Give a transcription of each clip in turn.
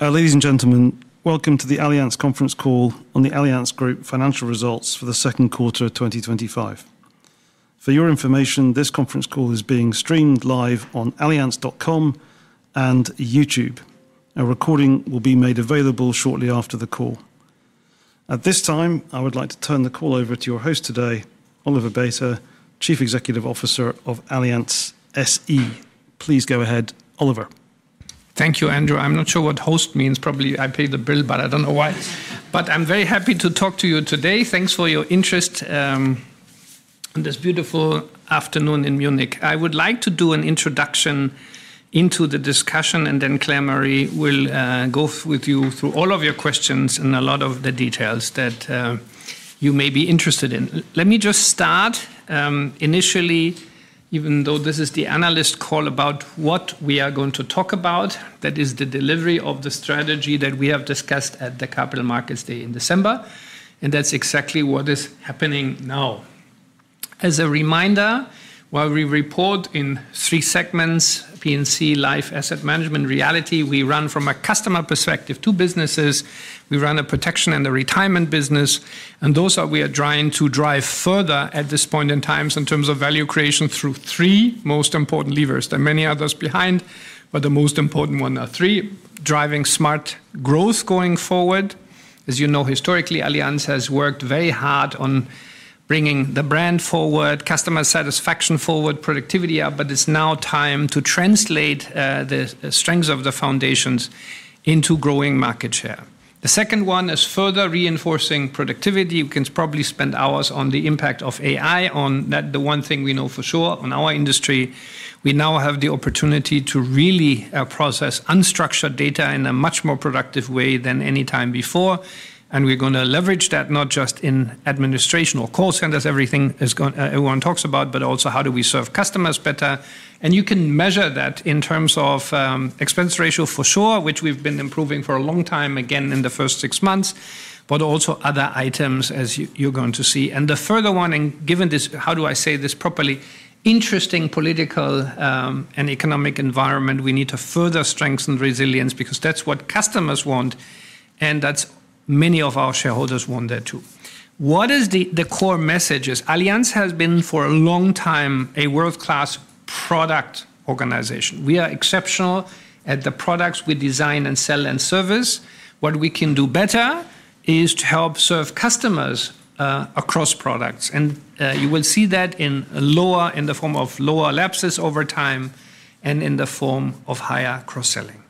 Ladies and gentlemen, welcome to the Allianz conference call on the Allianz Group financial results for the second quarter 2025. For your information, this conference call is being streamed live on Allianz.com and YouTube. A recording will be made available shortly after the call. At this time I would like to turn the call over to your host today, Oliver Bäte, Chief Executive Officer of Allianz SE. Please go ahead, Oliver. Thank you, Andrew. I'm not sure what host means. Probably I paid the bill, but I don't know why. I'm very happy to talk to you today. Thanks for your interest in this beautiful afternoon in Munich. I would like to do an introduction into the discussion, and then Claire-Marie will go with you through all of your questions and a lot of the details that you may be interested in. Let me just start initially, even though this is the analyst call, about what we are going to talk about, that is the delivery of the strategy that we have discussed at the Capital Markets Day in December, and that's exactly what is happening now. As a reminder, while we report in three segments, P&C Life Asset Management reality we run from a customer perspective. Two businesses we run, a protection and a retirement business. Those are what we are trying to drive further at this point in time in terms of value creation through three most important levers. There are many others behind, but the most important ones are three: driving smart growth going forward. As you know, historically Allianz has worked very hard on bringing the brand forward, customer satisfaction forward, productivity up. It's now time to translate the strengths of the foundations into growing market share. The second one is further reinforcing productivity. You can probably spend hours on the impact of AI. The one thing we know for sure in our industry is we now have the opportunity to really process unstructured data in a much more productive way than any time before. We're going to leverage that, not just in administration or call centers everyone talks about, but also how do we serve customers better. You can measure that in terms of expense ratio for sure, which we've been improving for a long time, again in the first six months, but also other items as you're going to see. The further one, and given this, how do I say this properly, interesting political and economic environment, we need to further strengthen resilience because that's what customers want too, and that's what many of our shareholders want too. What is the core message? Allianz has been for a long time a world-class product organization. We are exceptional at the products we design and sell and service. What we can do better is to help serve customers across products. You will see that in the form of lower lapses over time and in the form of higher cross-selling.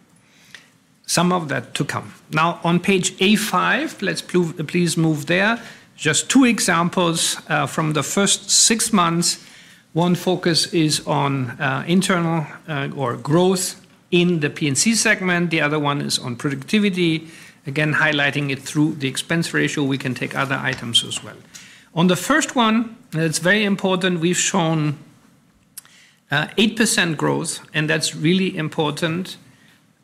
Some of that to come now on page A5. Let's please move there. Just two examples from the first six months. One focus is on internal or growth in the P&C. The other one is on productivity, again highlighting it through the expense ratio. We can take other items as well. On the first one it's very important. We've shown 8% growth and that's really important,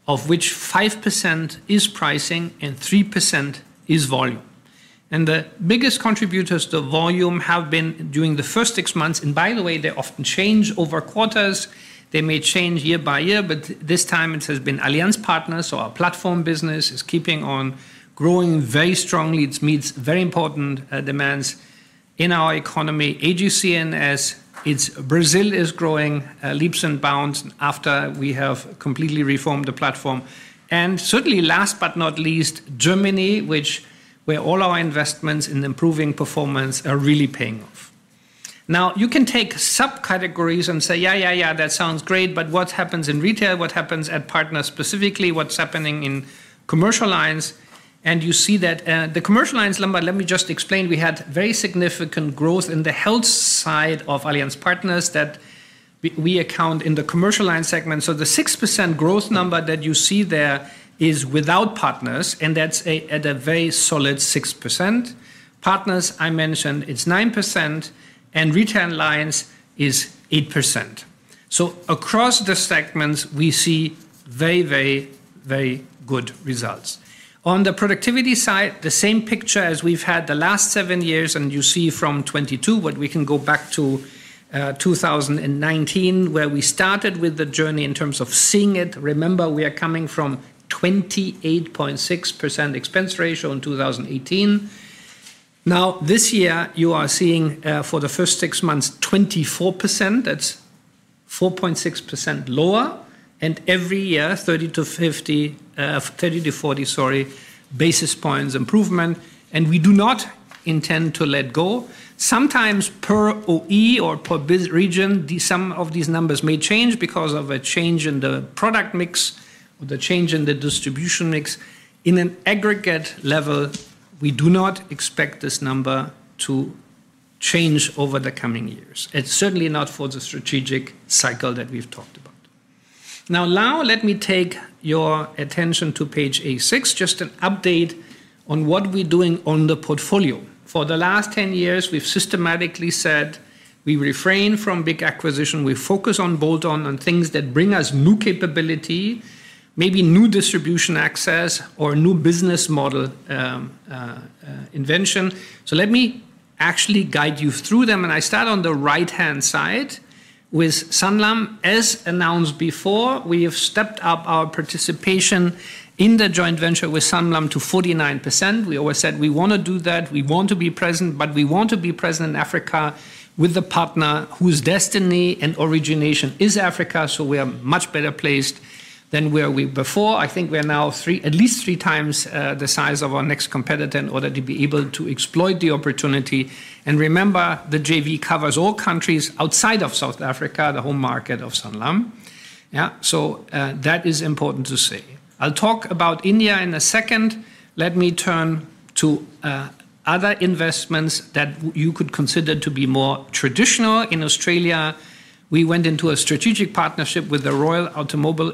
of which 5% is pricing and 3% is volume. The biggest contributors to volume have been during the first six months. By the way, they often change over quarters. They may change year by year, but this time it has been Allianz Partners. Our platform business is keeping on growing very strongly. It meets very important demands in our economy. AGCS Brazil is growing leaps and bounds after we have completely reformed the platform. Certainly, last but not least, Germany, where all our investments in improving performance are really paying off. Now you can take subcategories and say, yeah, yeah, yeah, that sounds great. What happens in retail? What happens at partners? Specifically, what's happening in commercial lines? You see that the commercial lines—lumber. Let me just explain. We had very significant growth in the health side of Allianz Partners that we account in the commercial line segment. The 6% growth number that you see there is without partners and that's at a very solid 6%. Partners I mentioned, it's 9%, and retail lines is 8%. Across the segments we see very, very, very good results. On the productivity side, the same picture as we've had the last seven years, and you see from 2022. We can go back to 2019 where we started with the journey in terms of seeing it. Remember, we are coming from 28.6% expense ratio in 2018. Now this year you are seeing for the first six months 24%. That's 4.6% lower, and every year 30 to 40 basis points improvement. We do not intend to let go. Sometimes per OE or per region, some of these numbers may change because of a change in the product mix or the change in the distribution mix. At an aggregate level, we do not expect this number to change over the coming years, certainly not for the strategic cycle that we've talked about. Now let me take your attention to page A6. Just an update on what we're doing on the portfolio. For the last 10 years we've systematically said we refrain from big acquisition. We focus on bolt-on, on things that bring us new capability, maybe new distribution access or new business model invention. Let me actually guide you through them. I start on the right hand side with Sanlam. As announced before, we have stepped up our participation in the joint venture with Sanlam to 49%. We always said we want to do that, we want to be present, but we want to be present in Africa with the partner whose destiny and origination is Africa. We are much better placed than where we were before. I think we are now at least three times the size of our next competitor in order to be able to exploit the opportunity. Remember, the JV covers all countries outside of South Africa, the home market of Sanlam. That is important to say. I'll talk about India in a second. Let me turn to other investments that you could consider to be more traditional. In Australia we went into a strategic partnership with the Royal Automobile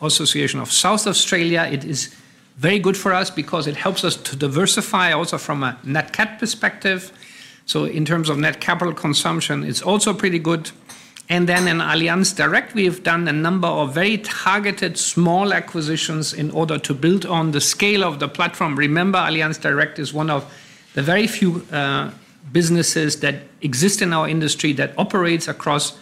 Association of South Australia. It is very good for us because it helps us to diversify also from a net cap perspective. In terms of net capital consumption, it's also pretty good. In Allianz DIRECT we've done a number of very targeted small acquisitions in order to build on the scale of the platform. Remember, Allianz DIRECT is one of the very few businesses that exist in our industry that operates across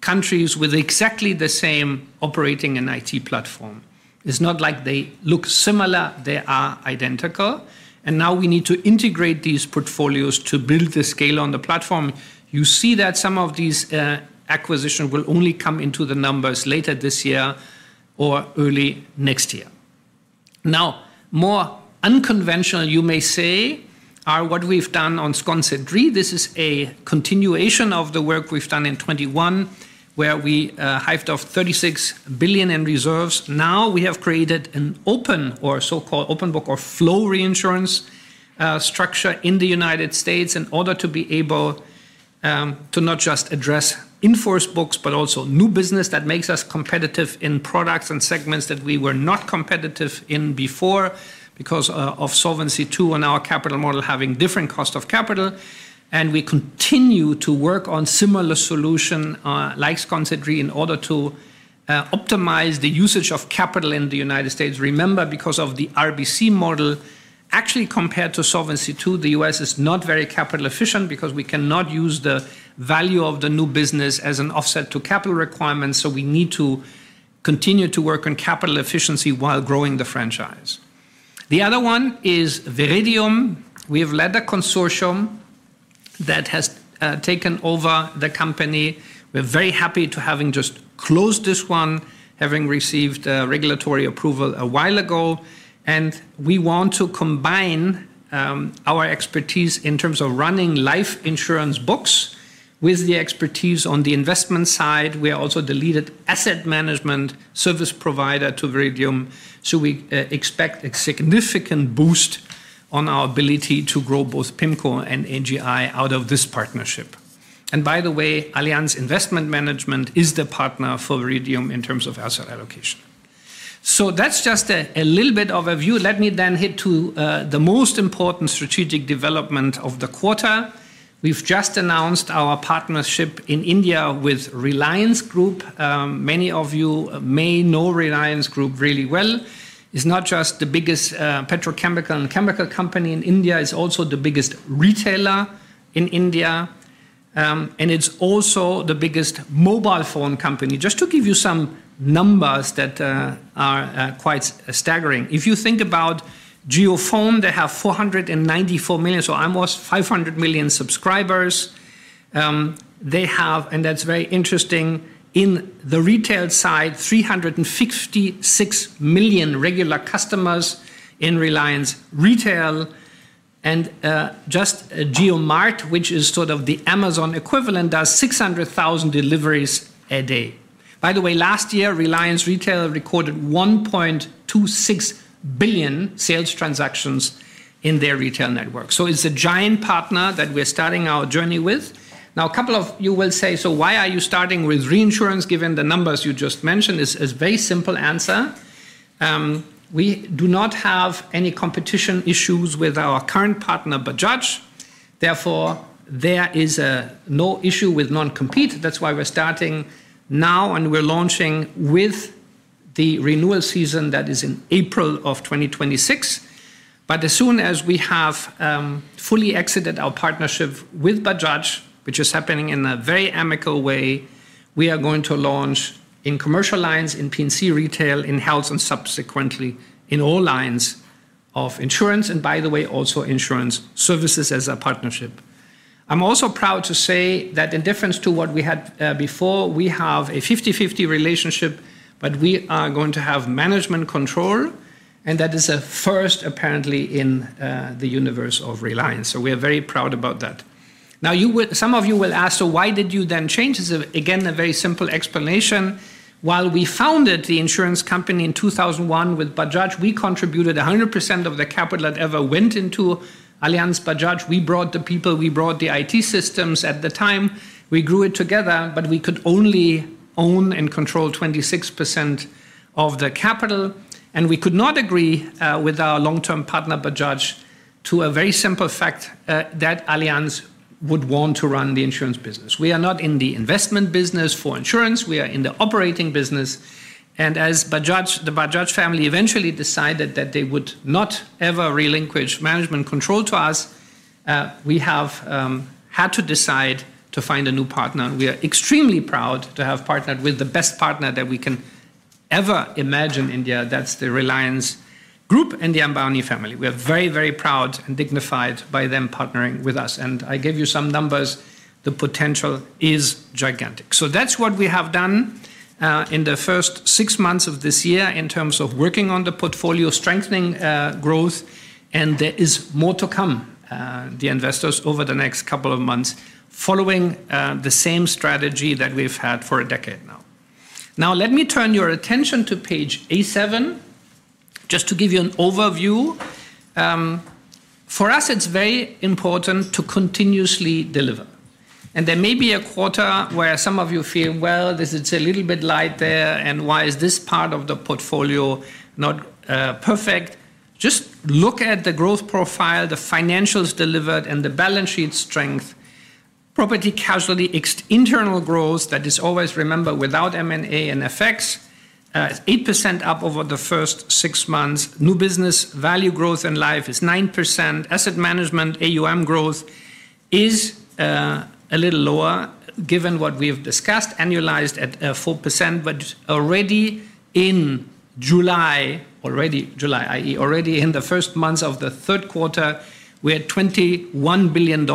countries with exactly the same operating and IT platform. It's not like they look similar, they are identical. Now we need to integrate these portfolios to build the scale on the platform. You see that some of these acquisitions will only come into the numbers later this year or early next year. More unconventional, you may say, are what we've done on SCONSETRe. This is a continuation of the work we've done in 2021 where we hived off 36 billion in reserves. Now we have created an open or so-called open book or flow reinsurance structure in the U.S. in order to be able to not just address in-force books but also new business that makes us competitive in products and segments that we were not competitive in before because of Solvency II and our capital model having different cost of capital. We continue to work on similar solutions like SCONSETRe in order to optimize the usage of capital in the U.S. Remember, because of the RBC model, actually compared to Solvency II, the U.S. is not very capital efficient because we cannot use the value of the new business as an offset to capital requirements. We need to continue to work on capital efficiency while growing the franchise. The other one is Viridium. We have led a consortium that has taken over the company. We're very happy to, having just closed this one, having received regulatory approval a while ago, and we want to combine our expertise in terms of running life insurance books with the expertise on the investment side. We are also the lead asset management service provider to Viridium. We expect a significant boost on our ability to grow both PIMCO and AGI out of this partnership. By the way, Allianz Investment Management is the partner for Viridium in terms of asset allocation. That's just a little bit of a view. Let me then head to the most important strategic development of the quarter. We've just announced our partnership in India with Reliance Group. Many of you may know Reliance Group really well. It's not just the biggest petrochemical and chemical company in India, it's also the biggest retailer in India, and it's also the biggest mobile phone company. Just to give you some numbers that are quite staggering if you think about JioPhone, they have 494 million, so almost 500 million subscribers, and that's very interesting. In the retail side, 356 million regular customers in Reliance Retail, and just JioMart, which is sort of the Amazon equivalent, does 600,000 deliveries. By the way, last year Reliance Retail recorded 1.26 billion sales transactions in their retail network. It's a giant partner that we're starting our journey with. Now a couple of you will say, why are you starting with reinsurance given the numbers you just mentioned? It's a very simple answer. We do not have any competition issues with our current partner Bajaj. Therefore, there is no issue with non-compete. That's why we're starting now, and we're launching with the renewal season that is in April of 2026. As soon as we have fully exited our partnership with Bajaj, which is happening in a very amicable way, we are going to launch in commercial lines, in P&C retail, in health, and subsequently in all lines of insurance. By the way, also insurance services as a partnership. I'm also proud to say that, in difference to what we had before, we have a 50/50 relationship, but we are going to have management control, and that is a first apparently in the universe of Reliance. We are very proud about that. Now some of you will ask why did you then change? It's again a very simple explanation. While we founded the insurance company in 2001 with Bajaj, we contributed 100% of the capital that ever went to Allianz Bajaj. We brought the people, we brought the IT systems at the time, we grew it together, but we could only own and control 26% of the capital, and we could not agree with our long-term partner Bajaj to a very simple fact that Allianz would want to run the insurance business. We are not in the investment business for insurance, we are in the operating business. As the Bajaj family eventually decided that they would not ever relinquish management control to us, we have had to decide to find a new partner. We are extremely proud to have partnered with the best partner that we can ever imagine in India. That's the Reliance Group and the Ambani family. We are very, very proud and dignified by them partnering with us. I gave you some numbers. The potential is gigantic. That's what we have done in the first six months of this year in terms of working on the portfolio, strengthening growth, and there is more to come for the investors over the next couple of months following the same strategy that we've had for a decade now. Now let me turn your attention to page A7 just to give you an overview. For us, it's very important to continuously deliver, and there may be a quarter where some of you feel this is a little bit lighter and why is this part of the portfolio not perfect? Just look at the growth profile, the financials delivered, and the balance sheet strength. Property-Casualty internal growth, that is always remember without M&A and FX, is 8% up over the first six months. New business value growth in Life is 9%. Asset Management AuM growth is a little lower given what we have discussed, annualized at 4%, but already in July, already July, that is already in the first month of the third quarter, we had $21 billion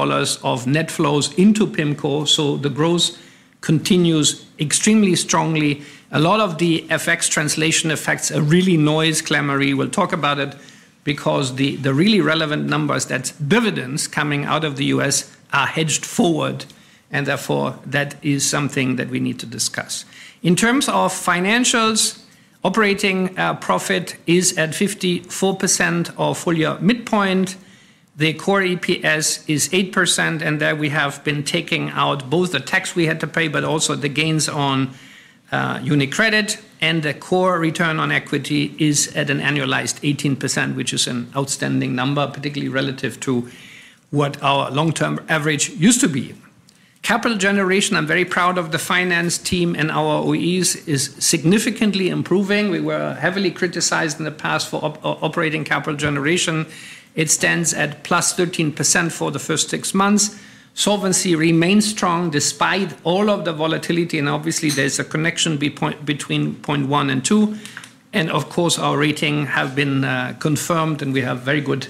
of net flows into PIMCO, so the growth continues extremely strongly. A lot of the FX translation effects are really noise. Claire-Marie will talk about it because the really relevant numbers, that's dividends coming out of the U.S., are hedged forward, and therefore that is something that we need to discuss in terms of financials. Operating profit is at 54% of full year midpoint. The core EPS is 8%, and there we have been taking out both the tax we had to pay but also the gains on UniCredit, and the core return on equity is at an annualized 18%, which is an outstanding number, particularly relative to what our long-term average used to be, capital generation. I'm very proud of the finance team and our OES is significantly improving. We were heavily criticized in the past for operating capital generation. It stands at +13% for the first six months. Solvency remains strong despite all of the volatility. Obviously, there's a connection between point one and two. Our rating has been confirmed and we have very good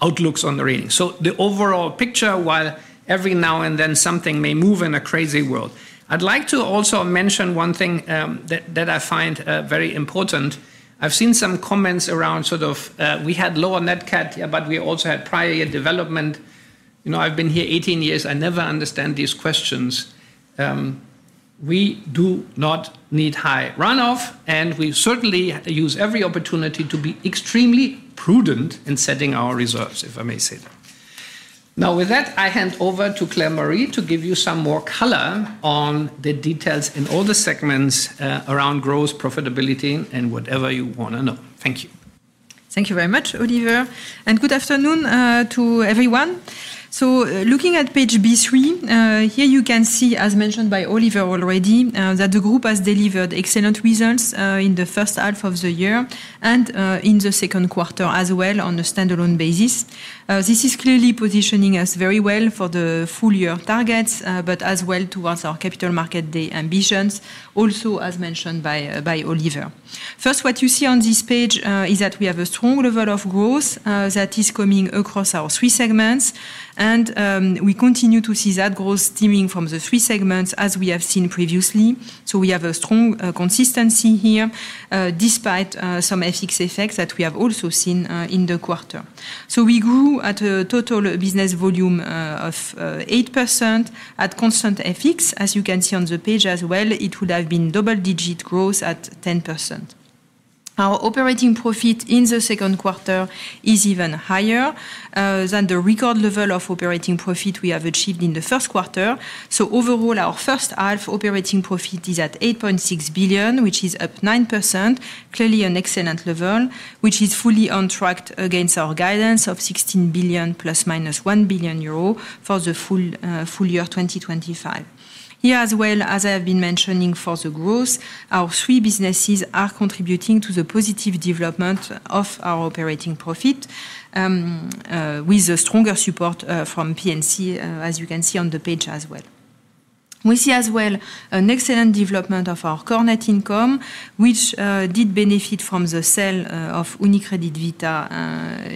outlooks on the rating. The overall picture, while every now and then something may move in a crazy world, I'd like to also mention one thing that I find very important. I've seen some comments around sort of we had lower netcat, but we also had prior year development. You know, I've been here 18 years, I never understand these questions. We do not need high runoff and we certainly use every opportunity to be extremely prudent in setting our reserves, if I may say that. Now with that, I hand over to Claire-Marie to give you some more color on the details in all the segments around growth, profitability and whatever you want to know. Thank you. Thank you very much, Oliver, and good afternoon to everyone. Looking at page B3 here, you can see, as mentioned by Oliver already, that the group has delivered excellent results in the first half of the year and in the second quarter as well on a standalone basis. This is clearly positioning us very well for the full year targets, as well as towards our capital market day ambitions. Also, as mentioned by Oliver first, what you see on this page is that we have a strong level of growth that is coming across our three segments, and we continue to see that growth stemming from the three segments as we have seen previously. We have a strong consistency here despite some FX effects that we have also seen in the quarter. We grew at a total business volume of 8% at constant FX. As you can see on the page as well, it would have been double-digit growth at 10%. Our operating profit in the second quarter is even higher than the record level of operating profit we have achieved in the first quarter. Overall, our first half operating profit is at 8.6 billion, which is up 9%, clearly an excellent level which is fully on track against our guidance of 16 billion ±1 billion euro for the full year 2025. Here, as well as I have been mentioning for the growth, our three businesses are contributing to the positive of our operating profit with a stronger support from P&C as you can see on the page. We see as well an excellent development of our core net income, which did benefit from the sale of UniCredit Vita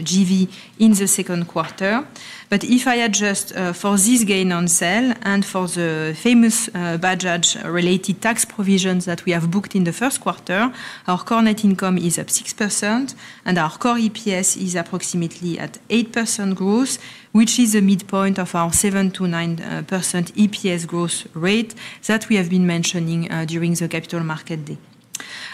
JV in the second quarter. If I adjust for this gain on sale and for the famous Bajaj-related tax provisions that we have booked in the first quarter, our core net income is up 6% and our core EPS is approximately at 8% growth, which is the midpoint of our 7%-9% EPS growth rate that we have been mentioning during the capital market day.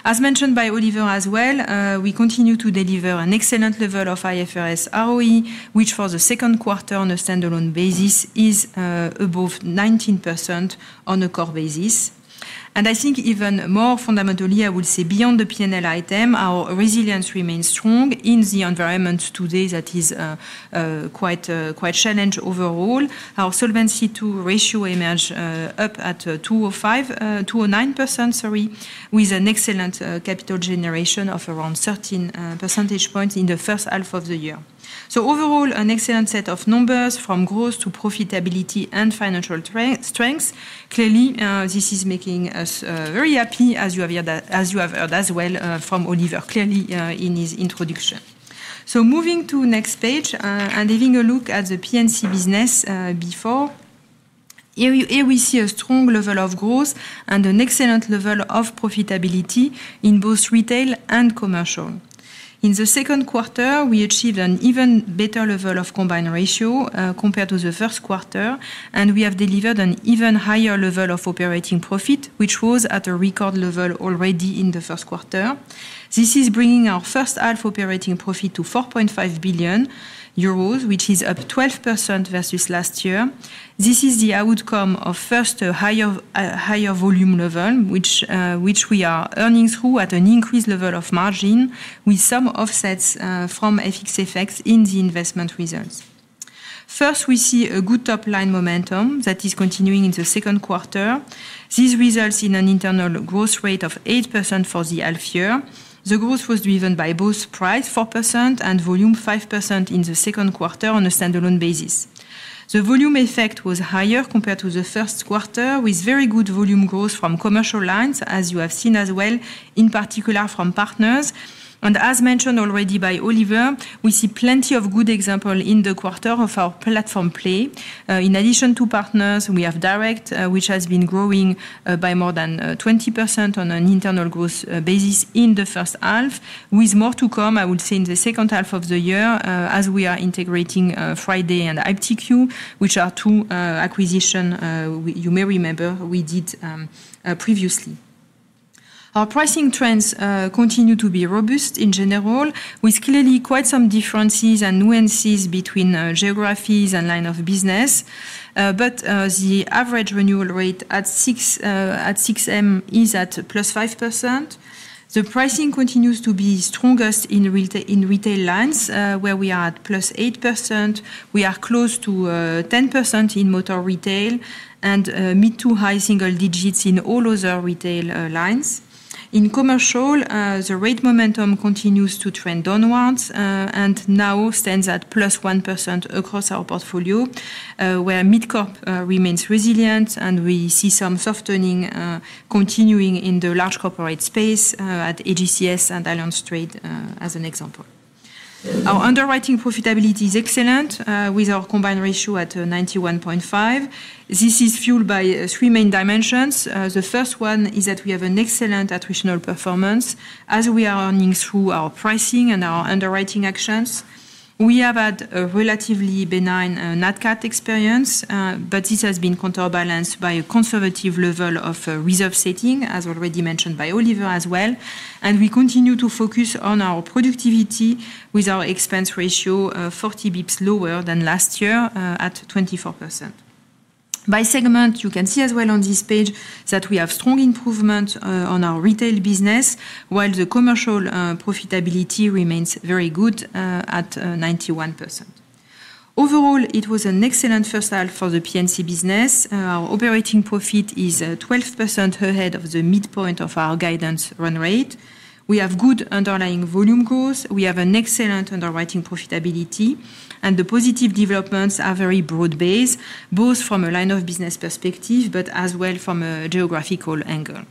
As mentioned by Oliver as well, we continue to deliver an excellent level of IFRS ROE, which for the second quarter on a standalone basis is above 19% on a core basis. I think even more fundamentally, I would say beyond the P&L item, our resilience remains strong in the environment today that is quite, quite challenging. Overall, our Solvency II ratio emerged up at 209% with an excellent capital generation of around 13 percentage points in the first half of the year. Overall, an excellent set of numbers from growth to profitability and financial strength. Clearly this is making us very happy as you have heard as well from Oliver Bäte clearly in his introduction. Moving to the next page and having a look at the P&C business before, here we see a strong level of growth and an excellent level of profitability in both retail and commercial. In the second quarter, we achieved an even better level of combined ratio compared to the first quarter, and we have delivered an even higher level of operating profit, which was at a record level already in the first quarter. This is bringing our first half operating profit to 4.5 billion euros, which is up 12% versus last year. This is the outcome of, first, a higher volume level, which we are earning through at an increased level of margin, with some offsets from FX effects in the investment results. First, we see a good top line momentum that is continuing in the second quarter. This results in an internal growth rate of 8% for the half year. The growth was driven by both price, 4%, and volume, 5%. In the second quarter, on a standalone basis, the volume effect was higher compared to the first quarter, with very good volume growth from commercial lines, as you have seen as well, in particular from Partners, and as mentioned already by Oliver, we see plenty of good examples in the quarter of our platform play. In addition to Partners, we have Allianz Direct, which has been growing by more than 20% on an internal growth basis in the first half, with more to come, I would, in the second half of the year as we are integrating Friday and LTQ, which are two acquisitions you may remember we did previously. Our pricing trends continue to be robust in general, with clearly quite some differences and nuances between geographies and line of business, but the average renewal rate at 6M is at +5%. The pricing continues to be strongest in retail lines, where we are at + 8%. We are close to 10% in motor retail and mid to high single digits in all other retail lines. In commercial, the rate momentum continues to trend downwards and now stands at +1% across our portfolio, where Mid Corp remains resilient and we see some softening continuing in the large corporate space. At AGCS and Allianz Trade, as an example, our underwriting profitability is excellent, with our combined ratio at 91.5. This is fueled by three main dimensions. The first one is that we have an excellent attritional performance as we are earning through our pricing and our underwriting actions. We have had a relatively benign NatCat experience, but this has been counterbalanced by a conservative level of reserve setting, as already mentioned by Oliver as well, and we continue to focus on our productivity with our expense ratio 40 bps lower than last year at 24% by segment. You can see as well on this page that we have strong improvement on our retail business, while the commercial profitability remains very good at 91%. Overall, it was an excellent first half for the P&C business. Our operating profit is 12% ahead of the midpoint of our guidance run rate. We have good underlying volume growth, we have an excellent underwriting profitability, and the positive developments are very broad based both from a line of business perspective but as well from a geographical angle.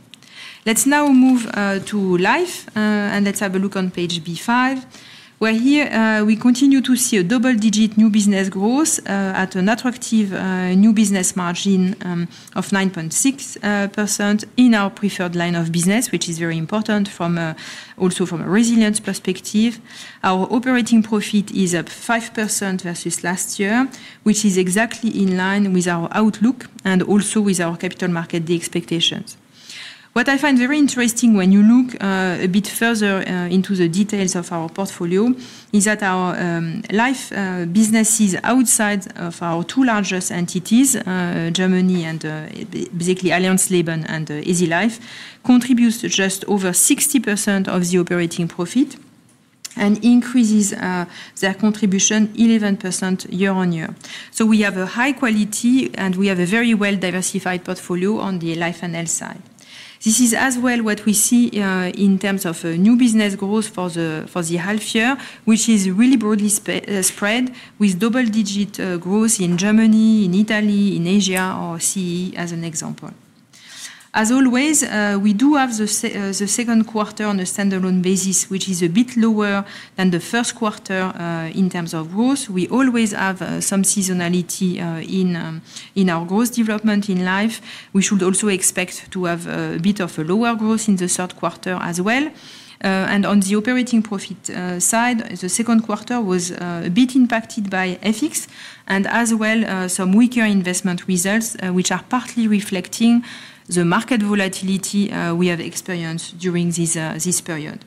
Let's now move to Life and let's have a look on page B5, where here we continue to see a double-digit new business growth at an attractive new business margin of 9.6% in our preferred line of business, which is very important. Also, from a resilience perspective, our operating profit is up 5% versus last year, which is exactly in line with our outlook and also with our Capital Market Day expectations. What I find very interesting when you look a bit further into the details of our portfolio is that our Life businesses outside of our two largest entities, Germany and basically Allianz Leben and Easy Life, contribute just over 60% of the operating profit and increase their contribution 11% year on year. We have a high quality and we have a very well diversified portfolio. On the Life and Health side, this is as well what we see in terms of new business growth for the half year, which is really broadly spread with double-digit growth in Germany, in Italy, in Asia, or CE as an example. As always, we do have the second quarter on a standalone basis, which is a bit lower than the first quarter in terms of growth. We always have some seasonality in our growth development in Life. We should also expect to have a bit of a lower growth in the third quarter as well. On the operating profit side, the second quarter was a bit impacted by FX and as well some weaker investment results, which are partly reflecting the market volatility we have experienced during this period.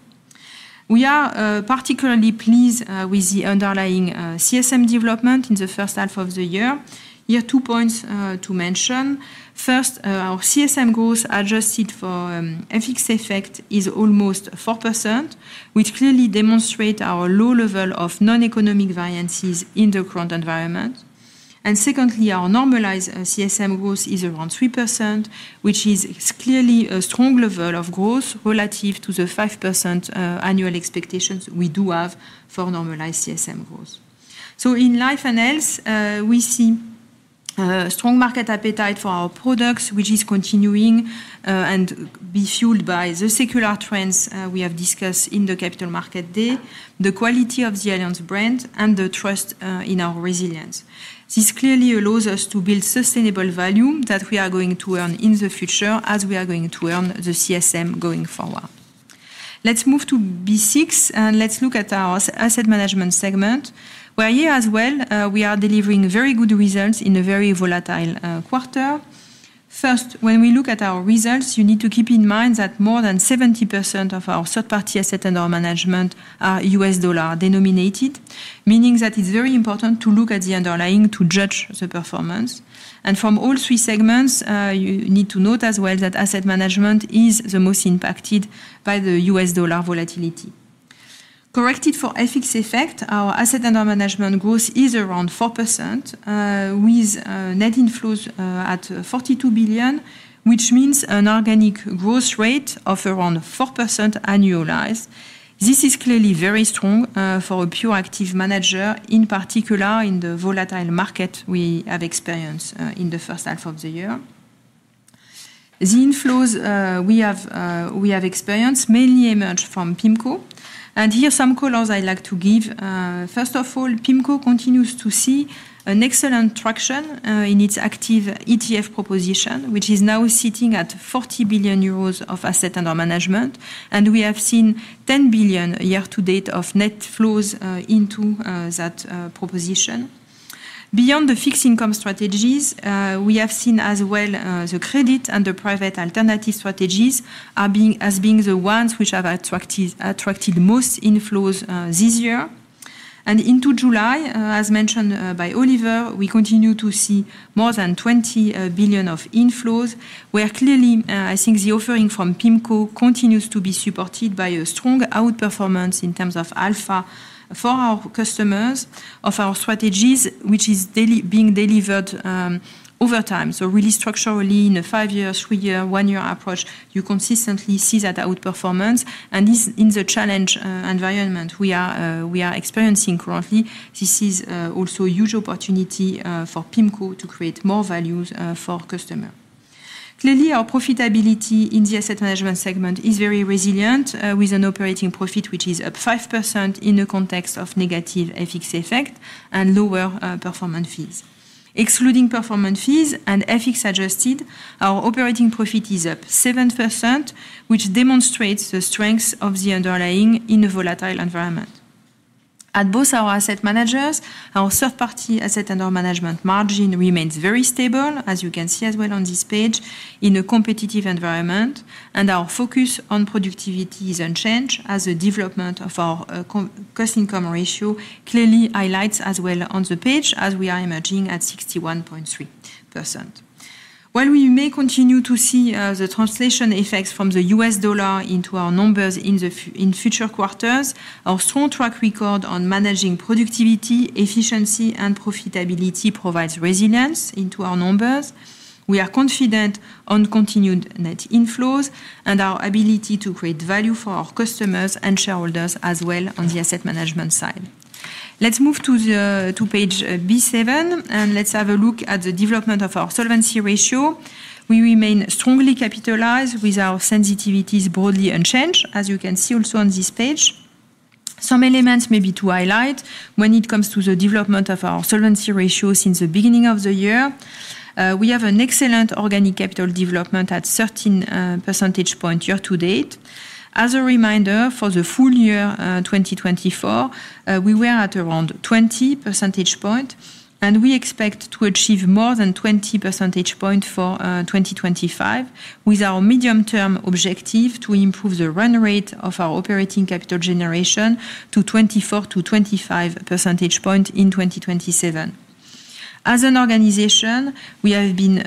We are particularly pleased with the underlying CSM development in the first half of the year. Here are two points to mention. First, our CSM growth adjusted for FX effect is almost 4%, which clearly demonstrates our low level of non-economic variances in the current environment. Secondly, our normalized CSM growth is around 3%, which is clearly a strong level of growth relative to the 5% annual expectation we do have for normalized CSM growth. In Life and Health, we see strong market appetite for our products, which is continuing and being fueled by the secular trends we have discussed in the Capital Market Day, the quality of the Allianz brand, and the trust in our resilience. This clearly allows us to build sustainable value that we are going to earn in the future as we are going to earn the CSM going forward. Let's move to B6 and look at our Asset Management segment, where here as well we are delivering very good results in a very volatile quarter. When we look at our results, you need to keep in mind that more than 70% of our third-party asset and our management are U.S. dollar denominated, meaning that it's very important to look at the underlying to judge the performance from all three segments. You need to note as well that Asset Management is the most impacted by the U.S. dollar volatility. Corrected for FX effect, our asset under management growth is around 4% with net inflows at 42 billion, which means an organic growth rate of around 4% annualized. This is clearly very strong for a pure active manager, in particular in the volatile market we have experienced in the first half of the year. The inflows we have experienced mainly emerge from PIMCO, and here are some colors I'd like to give. First of all, PIMCO continues to see excellent traction in its active ETF proposition, which is now sitting at 40 billion euros of asset under management, and we have seen 10 billion year to date of net flows into that proposition. Beyond the fixed income strategies, we have seen as well the credit and the private alternative strategies as being the ones which have attracted most inflows this year and into July. As mentioned by Oliver, we continue to see more than 20 billion of inflows, where clearly I think the offering from PIMCO continues to be supported by a strong outperformance in terms of alpha for our customers of our strategies, which is being delivered over time. Structurally, in a five-year, three-year, one-year approach, you consistently see that outperformance. In the challenging environment we are experiencing currently, this is also a huge opportunity for PIMCO to create more value for customers. Clearly, our profitability in the asset management segment is very resilient, with an operating profit which is up 5% in the context of negative FX effect and lower performance fees. Excluding performance fees and FX adjusted, our operating profit is up 7%, which demonstrates the strength of the underlying in a volatile environment at both our asset managers. Our third-party asset under management margin remains very stable, as you can see as well on this page, in a competitive environment, and our focus on productivity is unchanged, as the development of our company cost income ratio clearly highlights as well on the page, as we are emerging at 61.3%. While we may continue to see the translation effects from the U.S. Dollar into our numbers in future quarters, our strong track record on managing productivity, efficiency, and profitability provides resilience into our numbers. We are confident on continued net inflows and our ability to create value for our customers and shareholders as well. On the asset management side, let's move to page B7 and have a look at the development of our solvency ratio. We remain strongly capitalized, with our sensitivities broadly unchanged, as you can see also on this page. Some elements maybe to highlight when it comes to the development of our solvency ratio since the beginning of the year: we have an excellent organic capital development at 13 percentage points year to date. As a reminder, for the full year 2024, we were at around 20 percentage points, and we expect to achieve more than 20 percentage points for 2025, with our medium-term objective to improve the run rate of our operating capital generation to 24 to 25 percentage points in 2027. As an organization, we have been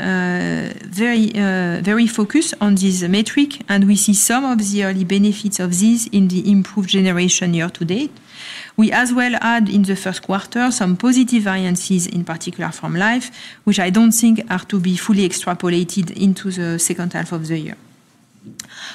very focused on this metric, and we see some of the early benefits of this in the improved generation year to date. We as well add in the first quarter some positive variances, in particular from Life, which I don't think are to be fully extrapolated into the second half of the year.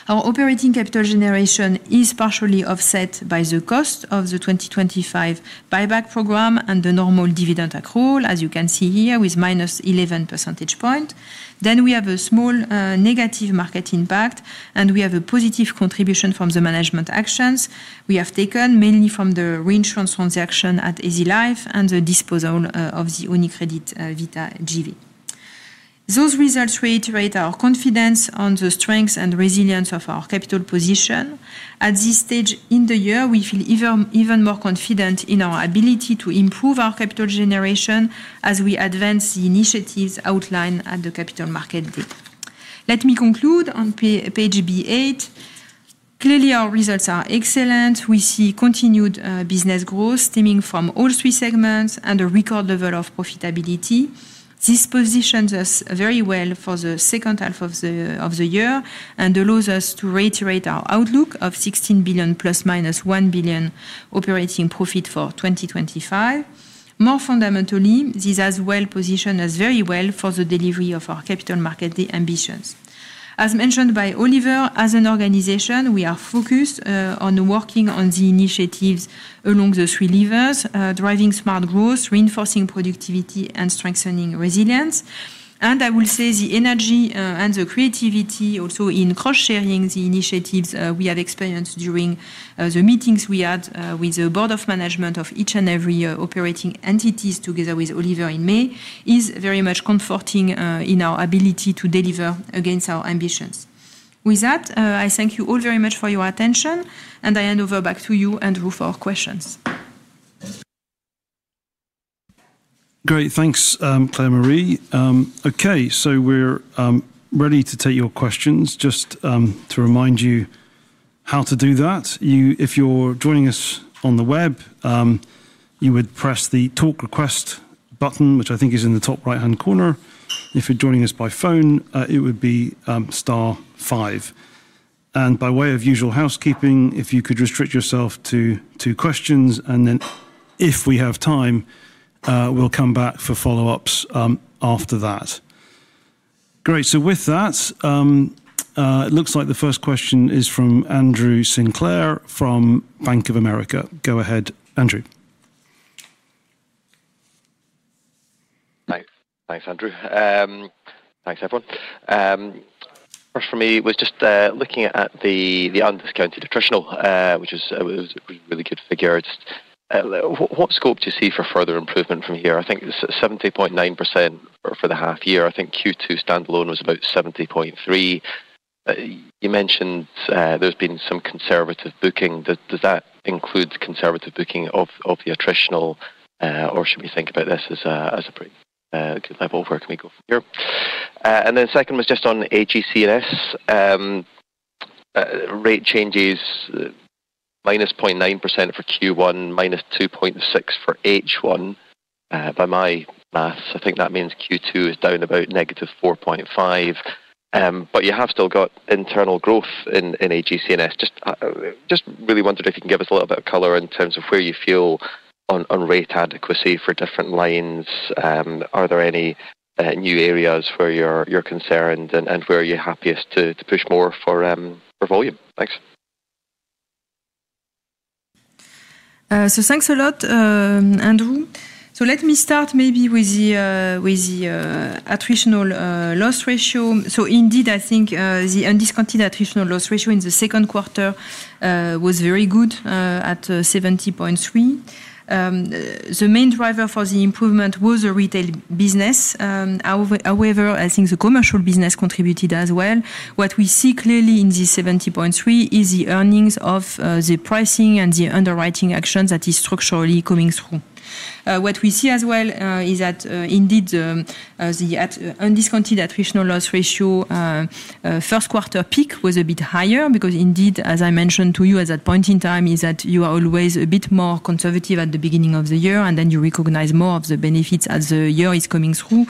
Our operating capital generation is partially offset by the cost of the 2025 buyback program and the normal dividend accrual, as you can see here. With minus 11 percentage points, then we have a small negative market impact, and we have a positive contribution from the management actions we have taken, mainly from the reinsurance transaction at Easy Life and the disposal of the UniCredit Vita JV. Those results reiterate our confidence in the strength and resilience of our capital position. At this stage in the year, we feel even more confident in our ability to improve our capital generation as we advance the initiatives outlined at the Capital Market Day. Let me conclude on page B8. Clearly, our results are excellent. We see continued business growth stemming from all three segments and a record level of profitability. This positions us very well for the second half of the year and allows us to reiterate our outlook of 16 billionplus ±1 billion operating profit for 2025. More fundamentally, this has positioned us very well for the delivery of our capital market ambitions, as mentioned by Oliver. As an organization, we are focused on working on the initiatives along the three levers: driving smart growth, reinforcing productivity, and strengthening resilience. I will say the energy and the creativity also in cross-sharing the initiatives we have experienced during the meetings we had with the Board of Management of each and every operating entity together with Oliver in May is very much comforting in our ability to deliver against our ambitions. With that, I thank you all very much for your attention, and I hand over back to you, Andrew, for questions. Great. Thanks, Claire-Marie. Okay, we're ready to take your questions. Just to remind you how to do that, if you're joining us on the web you would press the Talk request button, which I think is in the top right-hand corner. If you're joining us by phone it would be Star five. By way of usual housekeeping, if you could restrict yourself to two questions, and if we have time we'll come back for follow-ups after that. Great. With that, it looks like the first question is from Andrew Sinclair from Bank of America. Go ahead, Andrew. Thanks, Andrew. Thanks, everyone. First for me was just looking at the undiscounted attritional, which was a really good figure. What scope do you see for further improvement from here? I think 70.9% for the half year. I think Q2 standalone was about 70.3%. You mentioned there's been some conservative booking. Does that include conservative booking of the attritional, or should we think about this as a pretty good level? Where can we go from here? Second was just on AGCS's rate changes, -0.9% for Q1, -2.6% for H1. By my math, I think that means Q2 is down about -4.5%. You have still got internal growth in AGCS. I just really wondered if you can give us a little bit of color in terms of where you feel on rate adequacy for different lines. Are there any new areas where you're concerned, and where are you happiest to push more for volume? Thanks. Thanks a lot, Andrew. Let me start maybe with the attritional loss ratio. Indeed, I think the undiscounted attritional loss ratio in the second quarter was very good at 70.3%. The main driver for the improvement was the retail business. However, I think the commercial business contributed as well. What we see clearly in this 70.3% is the earnings of the pricing and the underwriting action that is structurally coming through. What we see as well is that indeed the undiscounted attritional loss ratio first quarter peak was a bit higher because, as I mentioned to you at that point in time, you are always a bit more conservative at the beginning of the year and then you recognize more of the benefits as the year is coming through.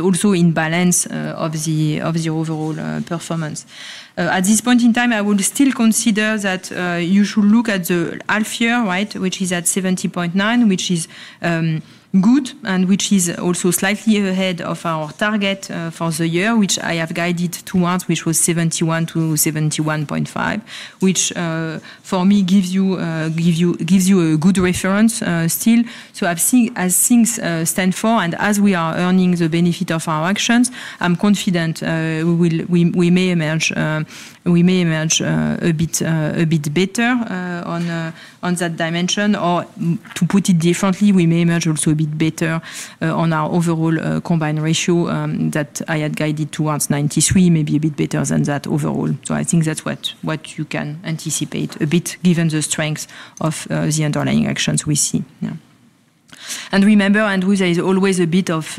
Also, in balance of the overall performance at this point in time, I would still consider that you should look at the Alfier, right, which is at 70.9%, which is good and which is also slightly ahead of our target for the year, which I have guided towards, which was 71%-71.5%, which for me gives you a good reference still. As things stand and as we are earning the benefit of our actions, I'm confident we may emerge a bit better on that dimension, or to put it differently, we may emerge also a bit better on our overall combined ratio that I had guided towards 93%, maybe a bit better than that overall. I think that's what you can anticipate a bit given the strength of the underlying actions we see. Remember, Andrew, there is always a bit of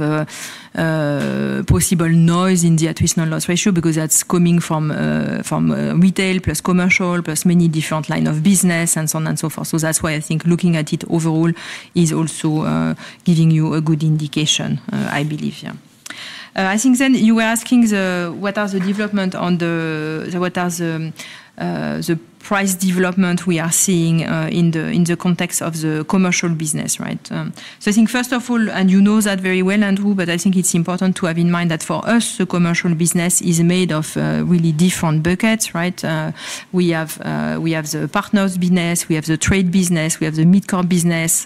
possible noise in the attritional loss ratio because that's coming from retail plus commercial plus many different lines of business and so on and so forth. That's why I think looking at it overall is also giving you a good indication. I believe, I think then you were asking what are the developments on the, what are the price developments we are seeing in the context of the commercial business. Right. First of all, and you know that very well, Andrew, but I think it's important to have in mind that for us the commercial business is made of really different buckets, right? We have the partners business, we have the trade business, we have the mid core business,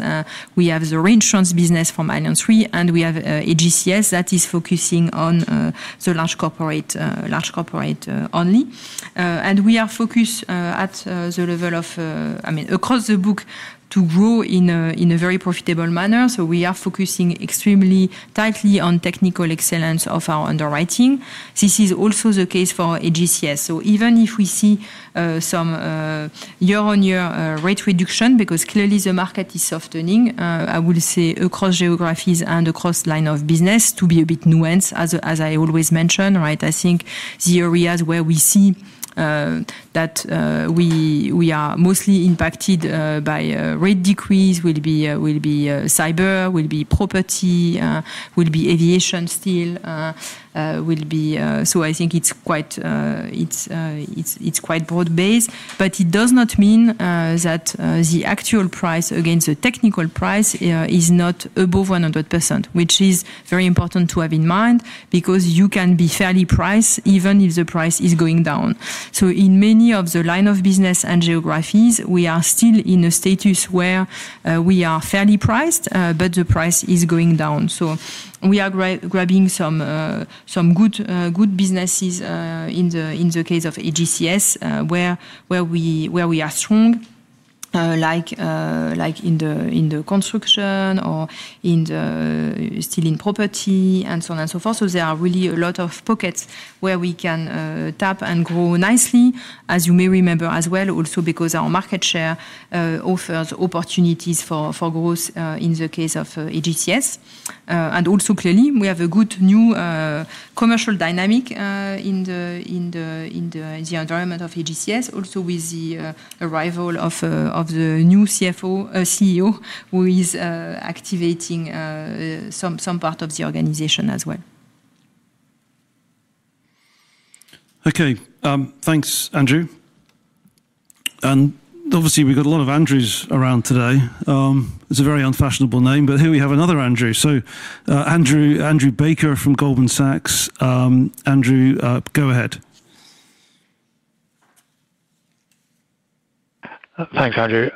we have the reinsurance business from Island 3, and we have AGCS that is focusing on the large corporate only. We are focused at the level of, I mean across the book, to grow in a very profitable manner. We are focusing extremely tightly on technical excellence of our underwriting. This is also the case for AGCS. Even if we see some year-on-year rate reduction because clearly the market is softening, I would say across geographies and across line of business to be a bit nuanced as I always mention. Right. I think the areas where we see that we are mostly impacted by a rate decrease will be cyber, will be property, will be aviation still. I think it's quite broad-based, but it does not mean that the actual price against the technical price is not above 100%, which is very important to have in mind because you can be fairly priced even if the price is going down. In many of the line of business and geography we are still in a status where we are fairly priced, but the price is going down. We are grabbing some good businesses in the case of AGCS where we are strong, like in the construction or still in property and so on and so forth. There are really a lot of pockets where we can tap and grow nicely as you may remember as well, also because our market share offers open opportunities for growth in the case of AGCS. Clearly, we have a good new commercial dynamic in the environment of AGCS, also with the arrival of the new CEO who is activating some part of the organization as well. Okay, thanks Andrew. Obviously we've got a lot of Andrews around today. It's a very unfashionable name. Here we have another Andrew. Andrew Baker from Goldman Sachs. Andrew, go ahead. Thanks, Andrew.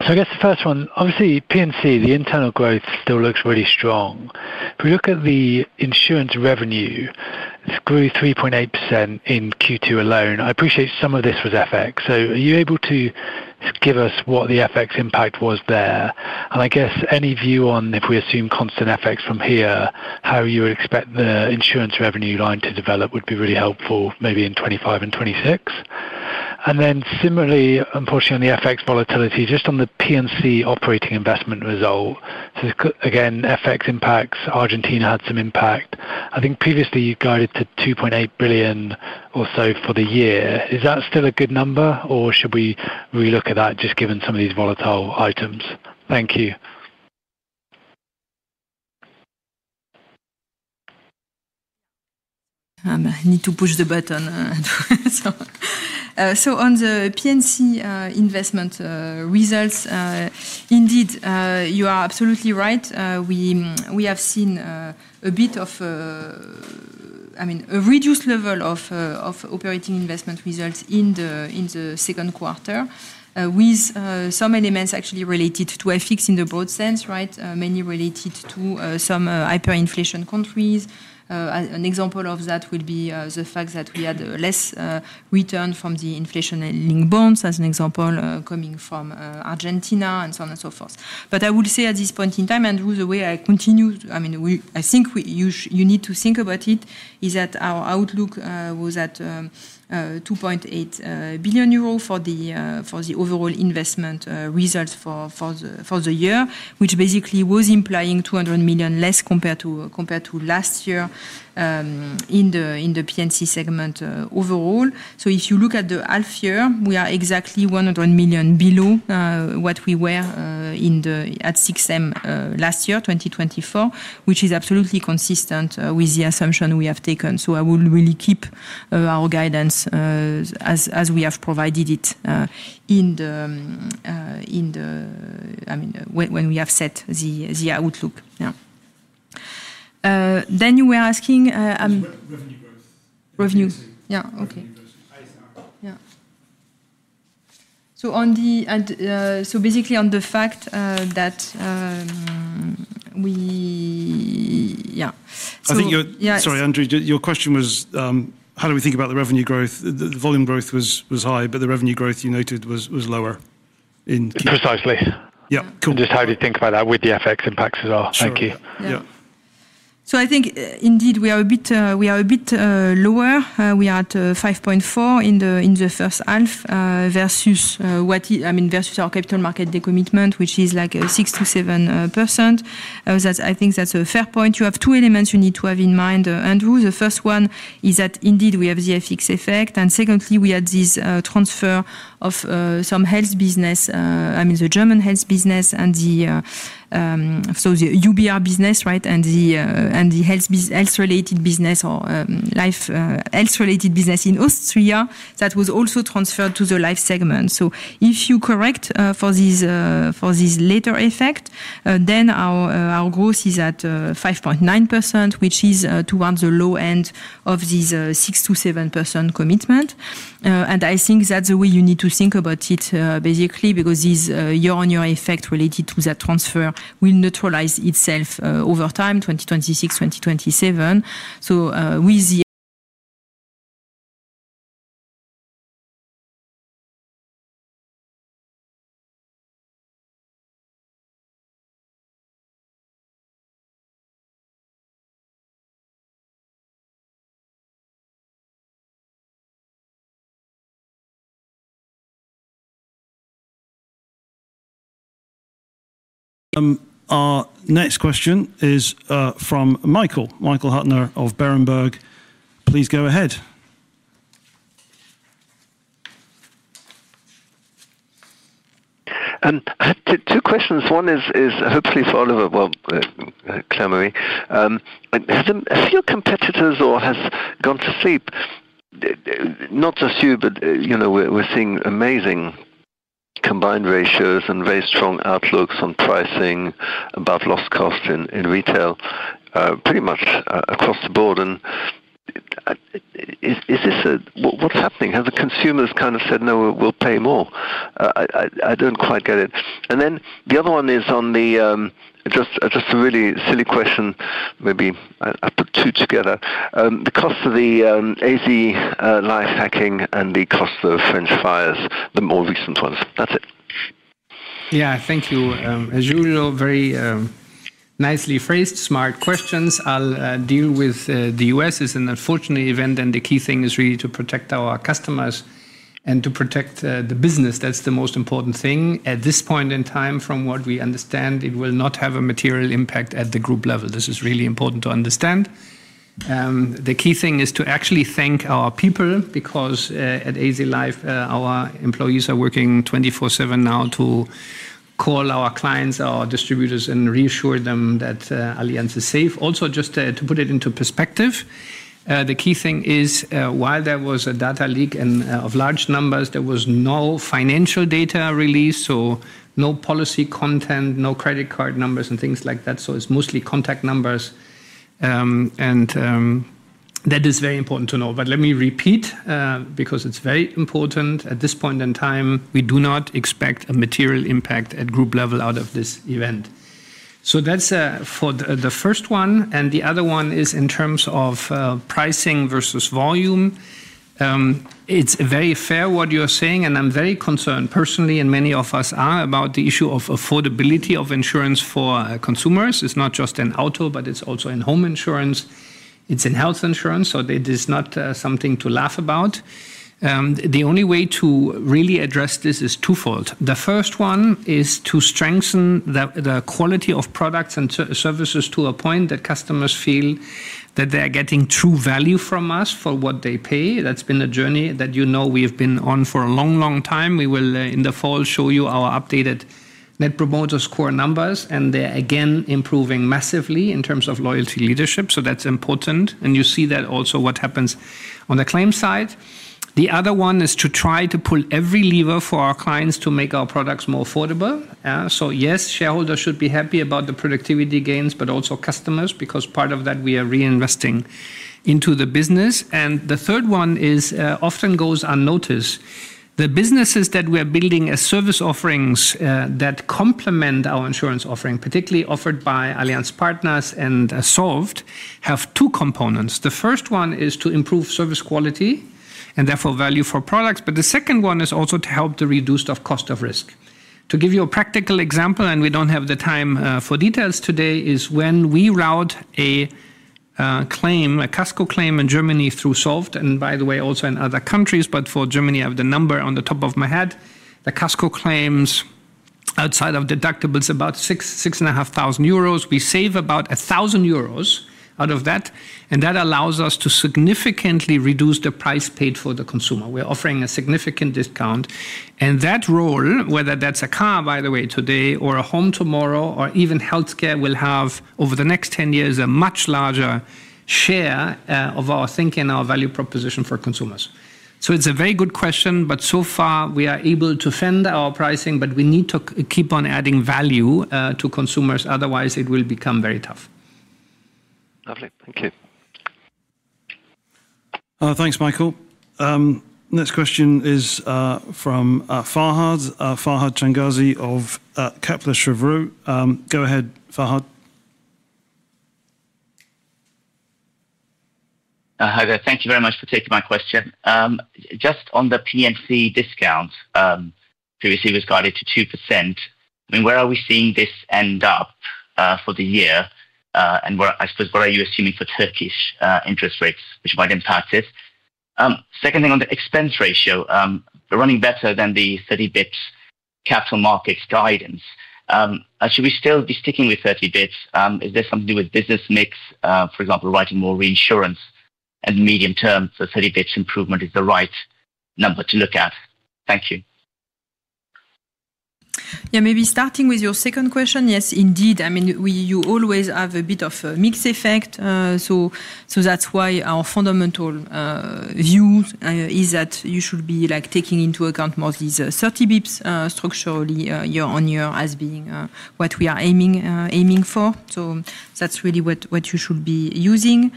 I guess the first one, obviously P&C, the internal growth still looks really strong. If we look at the insurance revenue, it grew 3.8% in Q2 alone. I appreciate some of this was FX. Are you able to give us what the FX impact was there? Any view on if we assume constant FX from here, how you would expect the insurance revenue line to develop would be really helpful, maybe in 2025 and 2026. Similarly, unfortunately on the FX volatility, just on the P&C operating investment result, again FX impacts, Argentina had some impact. I think previously you guided to 2.8 billion or so for the year. Is that still a good number or should we relook at that, given some of these volatile items? Thank you. I need to push the button. On the P&C investment results, indeed you are absolutely right. We have seen a bit of a reduced level of operating investment results in the second quarter, with some elements actually related to FX in the broad sense, mainly related to some hyperinflation countries. An example of that would be the fact that we had less return from the inflation-linked bonds, as an example coming from Argentina and so on and so forth. At this point in time, Andrew, the way I continue, I think you need to think about it is that our outlook was that 2.8 billion euro for the overall investment results for the year, which basically was implying 200 million less compared to last year in the P&C segment overall. If you look at the half year, we are exactly 100 million below what we were at 6M last year, 2024, which is absolutely consistent with the assumption we have taken. I will really keep our guidance as we have provided it when we have set the outlook. You were asking revenues. On the fact that we, I think you're. Sorry, Andrew, your question was how do we think about the revenue growth? The volume growth was high, but the revenue growth you noted was lower in Q5. Please. Yeah, cool. Just how do you think about that with the FX impacts as well? Thank you. I think indeed we are a bit lower. We are at 5.4% in the first half versus, I mean, versus our capital market decommitment which is like 6%-7%. I think that's a fair point. You have two elements you need to have in mind, Andrew. The first one is that indeed we have the FX effect, and secondly we had this transfer of some health business, I mean the German health business and the UBR business, right, and the health-related business or life health-related business in Austria that was also transferred to the life segment. If you correct for this later effect, then our growth is at 5.9% which is towards the low end of the 6%-7% commitment. I think that's the way you need to think about it basically because this year-on-year effect related to that transfer will neutralize itself over time, 2026, 2027. Our next question is from Michael, Michael Huttner of Berenberg. Please go ahead. Two questions. One is hopefully for Oliver. Claire-Marie, have your competitors or has Allianz gone to sleep, not just you, but we're seeing amazing combined ratios and very strong outlooks on pricing above loss costs in retail pretty much across the board. Is this what's happening? Have the consumers kind of said, no, we'll pay more? I don't quite get it. The other one is just a really silly question, maybe I put two together. The cost of the AZ Live hacking and the cost of Fringifiers, the more recent ones. That's it. Yeah. Thank you. As usual, very nicely phrased. Smart questions I'll deal with. The U.S. is an unfortunate event. The key thing is really to protect our customers and to protect the business. That's the most important thing at this point in time. From what we understand, it will not have a material impact at the group level. This is really important to understand. The key thing is to actually thank our people because at AZ Live, our employees are working 24/7 now to call our clients, our distributors, and reassure them that Allianz is safe. Also, just to put it into perspective, the key thing is while there was a data leak of large numbers, there was no financial data released. No policy content, no credit card numbers and things like that. It's mostly contact numbers. That is very important to know. Let me repeat, because it's very important at this point in time, we do not expect a material impact at group level out of this event. That's for the first one. The other one is in terms of pricing versus volume consume. It's very fair what you're saying, and I'm very concerned personally, and many of us are about the issue of affordability of insurance for consumers. It's not just in auto, but it's also in home insurance. It's in health insurance. It is not something to laugh about. The only way to really address this is twofold. The first one is to strengthen the quality of products and services to a point that customers feel that they are getting true value from us for what they pay. That's been a journey that, you know, we have been on for a long, long time. We will in the fall show you our updated Net Promoter Score numbers. They're again improving massively in terms of loyalty, leadership. That's important. You see that also what happens on the claim side. The other one is to try to pull every lever for our clients to make our products more affordable. Yes, shareholders should be happy about the productivity gains, but also customers, because part of that we are reinvesting into the business. The third one often goes unnoticed. The businesses that we are building as service offerings that complement our insurance offering, particularly offered by Allianz Partners and Solved, have two components. The first one is to improve service quality and therefore value for products. The second one is also to help the reduced of cost of risk. To give you a practical example, we don't have the time for details. Today, when we route a claim, a Casco claim in Germany through Solved, and by the way also in other countries, but for Germany I have the number on the top of my head. Had the Casco claims outside of deductibles, about 6,500 euros. We save about 1,000 euros out of that, and that allows us to significantly reduce the price paid for the consumer. We're offering a significant discount, and that role, whether that's a car by the way today or a home tomorrow, or even healthcare, will have over the next 10 years a much larger share of our thinking, our value proposition for consumers. It's a very good question, but so far we are able to fend our pricing, but we need to keep on adding value to consumers, otherwise it will become very tough. Lovely, thank you. Thanks, Michael. Next question is from Fahad Changazi of Kepler Cheuvreux. Go ahead, Fahad. Hi there. Thank you very much for taking my question. Just on the P&C discounts, previously was guided to 2%. Where are we seeing this end up for the year? What are you assuming for Turkish interest rates, which might impact it? Second thing, on the expense ratio running better than the 30 bps capital markets guidance, should we still be sticking with 30 bps? Is there something to do with business mix, for example writing more reinsurance, and medium term the 30 bps improvement is the right number to look at. Thank you. Yeah, maybe starting with your second question. Yes, indeed. I mean you always have a bit of a mix effect. That's why our fundamental view is that you should be taking into account more of these 30 bps structurally as being what we are aiming for. That's really what you should be using.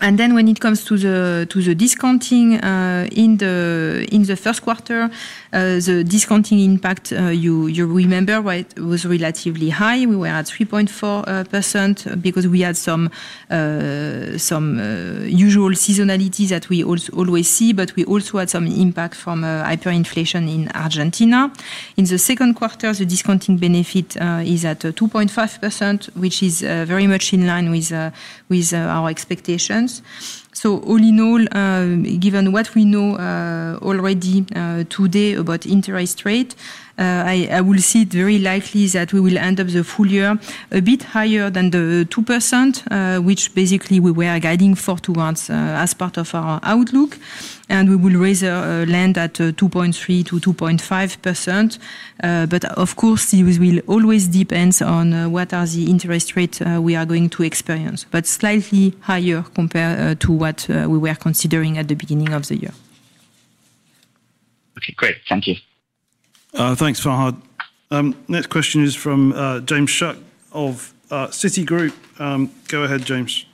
When it comes to the discounting in the first quarter, the discounting impact, you remember, was relatively high. We were at 3.4% because we had some usual seasonality that we always see. We also had some impact from hyperinflation in Argentina. In the second quarter, the discounting benefit is at 2.5%, which is very much in line with our expectations. All in all, given what we know already today about interest rates, I see it very likely that we will end up the full year a bit higher than the 2% which basically we were guiding for as part of our outlook. We will likely land at 2.3%-2.5%, but of course this will always depend on what are the interest rates we are going to experience. Slightly higher compared to what we were considering at the beginning of the year. Okay, great. Thank you. Thanks, Fahad. Next question is from James Shuck of Citigroup. Go ahead, James.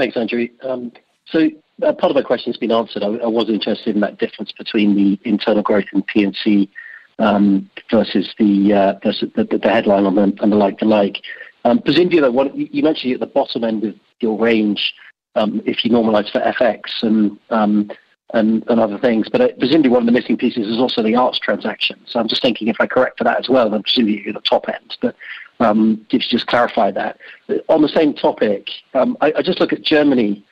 Thanks, Andrew. That part of my question has been answered. I was interested in that difference between the internal growth in P&C versus the headline and the like. The like presumed you mentioned at the bottom end of your range if you normalize for FX and other things. Presumably one of the missing pieces is also the Arch transaction. I'm just thinking if I correct for that as well then presumably you're at the top end. Just clarify that. On the same topic, I just look at Germany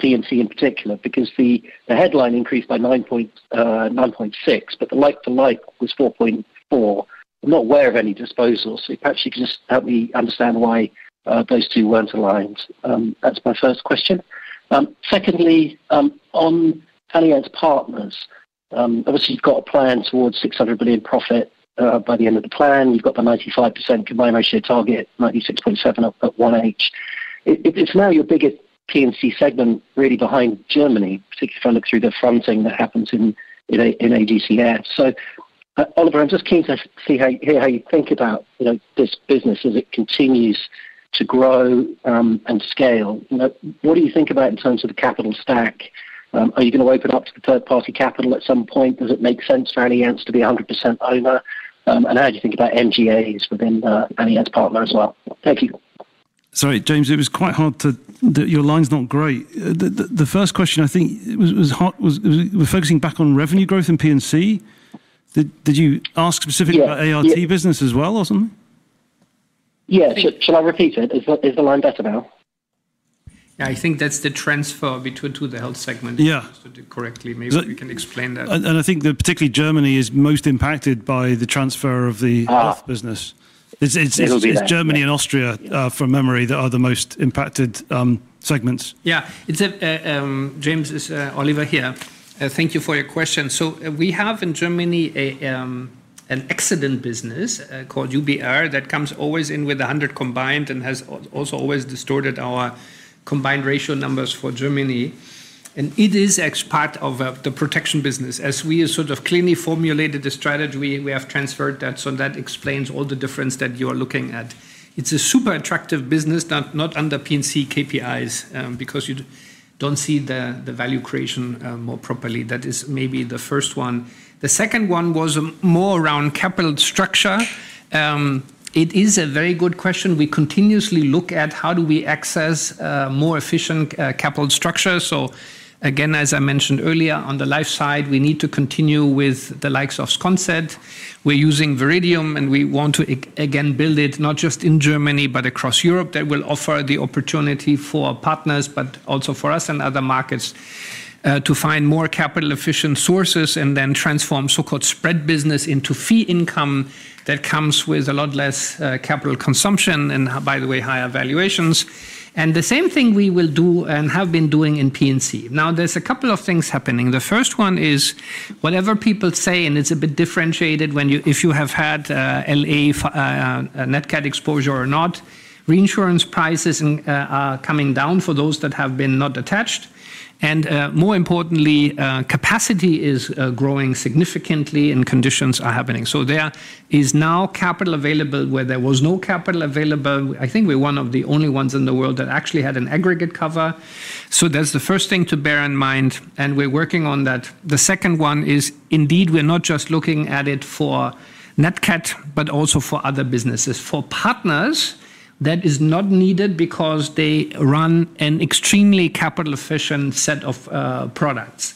P&C in particular because the headline increased by 9.6% but the like-for-like was 4.4%. I'm not aware of any disposal, so perhaps you can just help me understand why those two weren't aligned. That's my first question. Secondly, on Allianz Partners, obviously you've got a plan towards 600 million profit by the end of the plan. You've got the 95% combined ratio target, 96.7% at 1.8. It's now your bigger P&C segment really behind Germany. Particularly if I look through the fronting that happens in ADC and so, Oliver, I'm just keen to see how you think about this business as it continues to grow and scale. What do you think about in terms of the capital stack? Are you going to open up to third-party capital at some point? Does it make sense for Allianz to be 100% owner? How do you think about MGAs being any kind of partner as well? Thank you. Sorry James, it was quite hard to. Your line's not great. The first question, I think we're focusing back on revenue growth in P&C. Did you ask specifically about our business as well or something? Should I repeat it? Is the line better now? Yeah, I think that's the transfer between to the health segment correctly. Maybe you can explain that. I think that particularly Germany is most impacted by the transfer of the health business. It's Germany and Austria from memory that are the most impacted segments. Yeah, James Oliver here. Thank you for your question. We have in Germany an accident business called UBR that comes always in with 100 combined and has also always distorted our combined ratio numbers for Germany. It is actually part of the protection business. As we sort of cleanly formulated the strategy, we have transferred that. That explains all the difference that you are looking at. It's a super attractive business not under P&C KPIs because you don't see the value creation more properly. That is maybe the first one. The second one was more around capital structure. It is a very good question. We continuously look at how do we access more efficient capital structure. As I mentioned earlier on the life side, we need to continue with the likes of SCONSET we're using Viridium, and we want to again build it not just in Germany but across Europe. That will offer the opportunity for partners but also for us and other markets to find more capital efficient sources and then transform so-called spread business into fee income that comes with a lot less capital consumption and, by the way, higher valuations. The same thing we will do and have been doing in P&C. Now there's a couple of things happening. The first one is whatever people say, and it's a bit differentiated. If you have had large NetCat exposure or not, reinsurance prices are coming down for those that have been not attached, and more importantly, capacity is growing significantly and conditions are happening. There is now capital available where there was no capital available. I think we're one of the only ones in the world that actually had an aggregate cover. That's the first thing to bear in mind, and we're working on that. The second one is, indeed, we're not just looking at it for NetCat but also for other businesses. For partners, that is not needed because they run an extremely capital efficient set of products.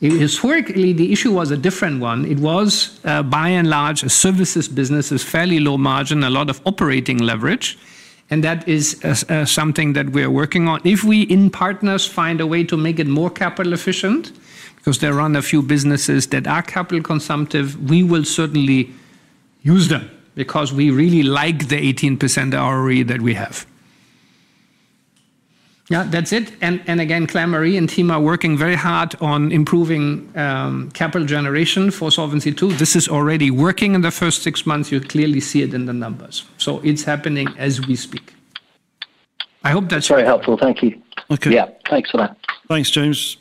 Historically, the issue was a different one. It was by and large a services business, is fairly low margin, a lot of operating leverage, and that is something that we are working on. If we in Partners find a way to make it more capital efficient because they run a few businesses that are capital consumptive, we will certainly use them because we really like the 18% ROE that we have. That's it. Claire-Marie and team are working very hard on improving capital generation for Solvency II. This is already working in the first six months. You clearly see it in the numbers. It's happening as we speak. I hope that's very helpful. Thank you. Thank you. Okay. Yeah, thanks for that. Thanks, James.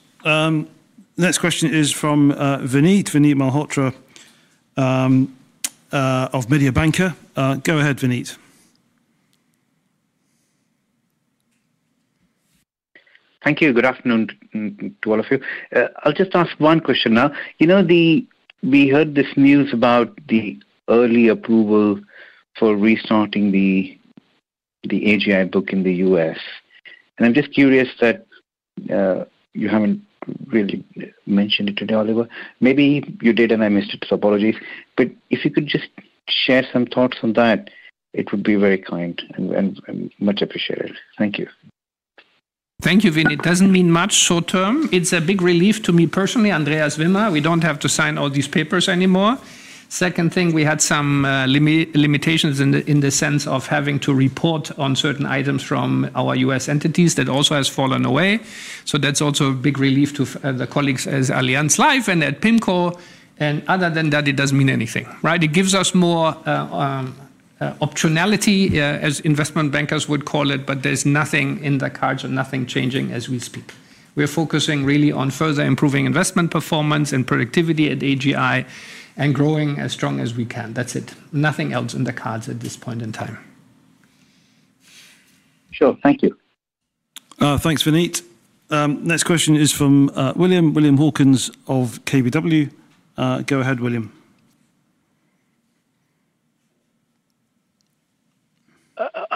Next question is from Vinit. Vinit Malhotra of Mediobanca. Go ahead, Vinit. Thank you. Good afternoon to all of you. I'll just ask one question now. We heard this news about the early approval for restarting the AGI book in the U.S., and I'm just curious that you haven't really mentioned it today, Oliver. Maybe you did and I missed it, so apologies. If you could just share some thoughts on that, it would be very kind and much appreciated. Thank you. Thank you, Vinit. It doesn't mean much short term. It's a big relief to me personally. Andreas Wilmer. We don't have to sign all these papers anymore. The second thing, we had some limitations in the sense of having to report on certain items from our U.S. entities. That also has fallen away. That's also a big relief to the colleagues at Allianz Life and at PIMCO. Other than that, it doesn't mean anything. It gives us more optionality, as investment bankers would call it. There's nothing in the cards or nothing changing as we speak. We're focusing really on further improving investment performance and productivity at AGI and growing as strong as we can. That's it. Nothing else in the cards at this point in time. Sure. Thank you. Thanks, Vinit. Next question is from William, William Hawkins of KBW. Go ahead, William.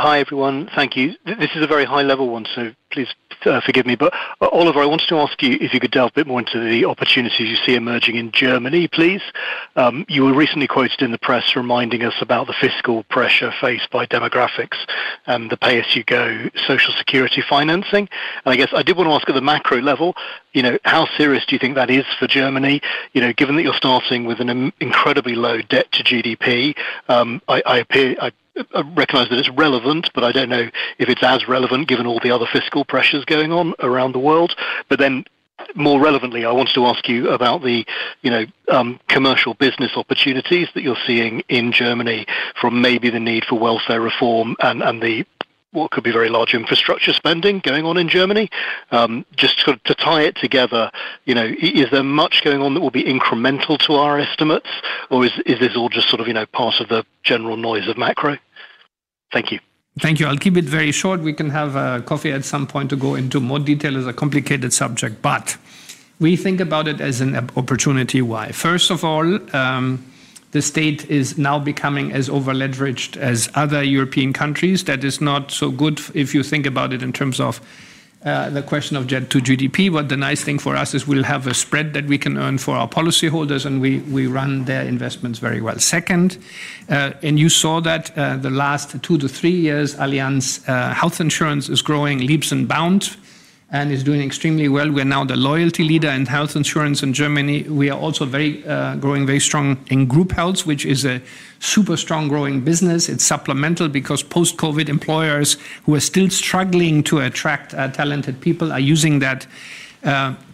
Hi everyone. Thank you. This is a very high level one, so please forgive me, but Oliver, I wanted to ask you if you could delve a bit more into the opportunities you see emerging in Germany, please. You were recently quoted in the press reminding us about the fiscal pressure faced by demographics and the pay as you go Social Security financing. I guess I did want to ask at the macro level, how serious do you think that is for Germany, given that you're starting with an incredibly low debt to GDP? I recognize that it's relevant, but I don't know if it's as relevant given all the other fiscal pressures going on around the world. More relevantly, I wanted to ask you about the commercial business opportunities that you're seeing in Germany from maybe the need for welfare reform and what could be very large infrastructure spending going on in Germany. Just to tie it together, is there much going on that will be incremental to our estimates? Or is this all just sort of part of the general noise of macro? Thank you. Thank you. I'll keep it very short. We can have coffee at some point to go into more detail as a complicated subject, but we think about it as an opportunity. Why? First of all, the state is now becoming as overleveraged as other European countries. That is not so good if you think it in terms of the question of Gen 2 GDP. The nice thing for us is we'll have a spread that we can earn for our policyholders and we run their investments very well. Second, and you saw that the last two to three years, Allianz health insurance is growing leaps and bounds and is doing extremely well. We are now the loyalty leader in health insurance in Germany. We are also growing very strong in group health, which is a super strong growing business. It's supplemental because post COVID, employers who are still struggling to attract talented people are using that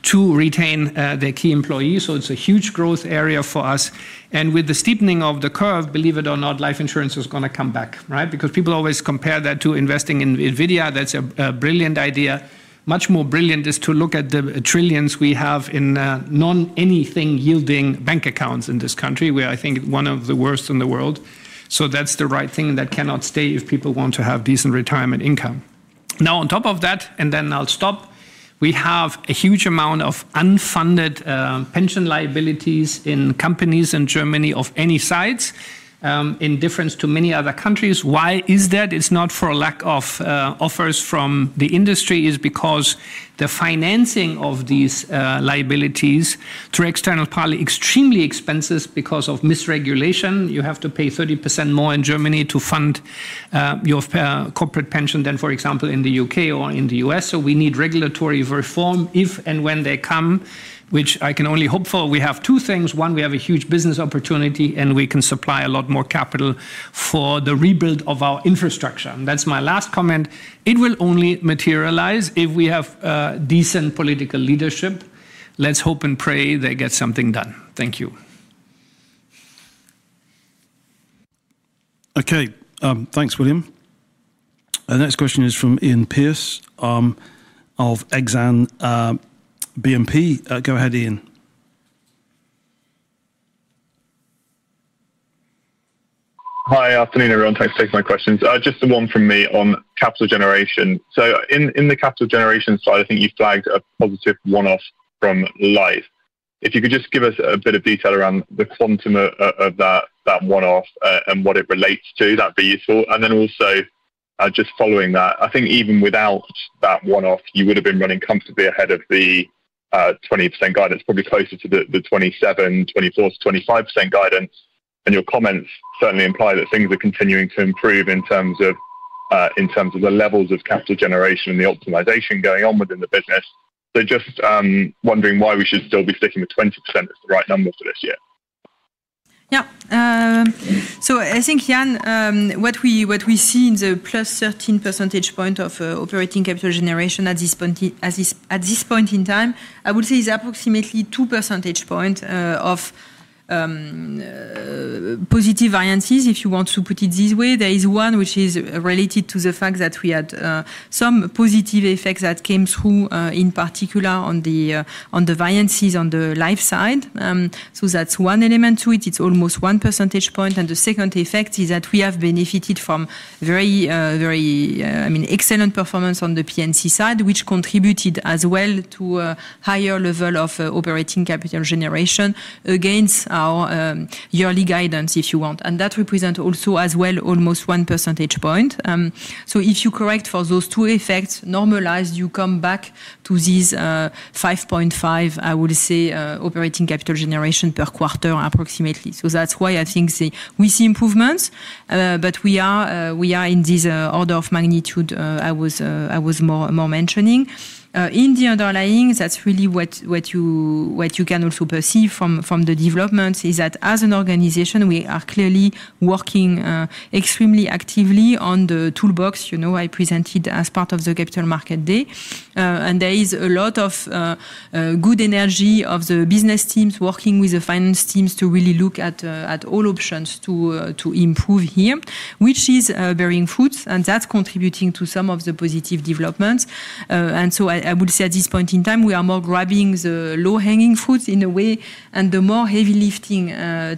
to retain their key employees. It's a huge growth area for us. With the steepening of the curve, believe it or not, life insurance is going to come back, right? People always compare that to investing in NVIDIA. That's a brilliant idea. Much more brilliant is to look at the trillions we have in non anything yielding bank accounts in this country, where I think one of the worst in the world. That's the right thing that cannot stay if people want to have decent retirement income. Now on top of that, and then I'll stop. We have a huge amount of unfunded pension liabilities in companies in Germany of any size in difference to many other countries. Why is that? It's not for lack of offers from the industry. It's because the financing of these liabilities through external parliament is extremely expensive because of misregulation. You have to pay 30% more in Germany to fund your corporate pension than, for example, in the U.K. or in the U.S. We need regulatory reform if and when they come, which I can only hope for. We have two things. One, we have a huge business opportunity and we can supply a lot more capital for the rebuild of our infrastructure. That's my last comment. It will only materialize if we have decent political leadership. Let's hope and pray they get something done. Thank you. Okay, thanks for William. The next question is from Iain Pearce of Exane BNP. Go ahead Iain. Hi. Afternoon everyone. Thanks for taking my questions. Just the one from me on capital generation. On the capital generation side, I think you flagged a positive one-off from Life. If you could just give us a bit of detail around the quantum of that one-off and what it relates to, that'd be useful. Also, just following that, I think even without that one-off you would have been running comfortably ahead of the 20% guidance, probably closer to the 27%, 24%, 25% guidance. Your comments certainly imply that things are continuing to improve in terms of the levels of capital generation and the optimization going on within the business. I'm just wondering why we should still be sticking with 20% as the right number for this year. Yeah. I think, Iain, what we see in the plus 13% point of operating capital generation at this point in time, I would say, is approximately 2% point of positive variances, if you want to put it this way. There is one which is related to the fact that we had some positive effects that came through in particular on the variances on the Life and Health side. That's one element to it. It's almost 1% point. The second effect is that we have benefited from very excellent performance on the P&C side, which contributed as well to a higher level of operating capital generation against our yearly guidance, if you want. That represents also as well almost 1% point. If you correct for those two effects normalized, you come back to these 5.5, I would say, operating capital generation per approximately. That's why I think we see improvements, but we are in this order of magnitude. I was more mentioning in the underlying that's really what you can also perceive from the developments is that as an organization we are clearly working extremely actively on the toolbox I presented as part of the Capital Market Day. There is a lot of good energy of the business teams working with the finance teams to really look at all options to improve here, which is bearing fruits and that's contributing to some of the positive developments. I would say at this point in time we are more grabbing the low hanging fruits in a way, and the more heavy lifting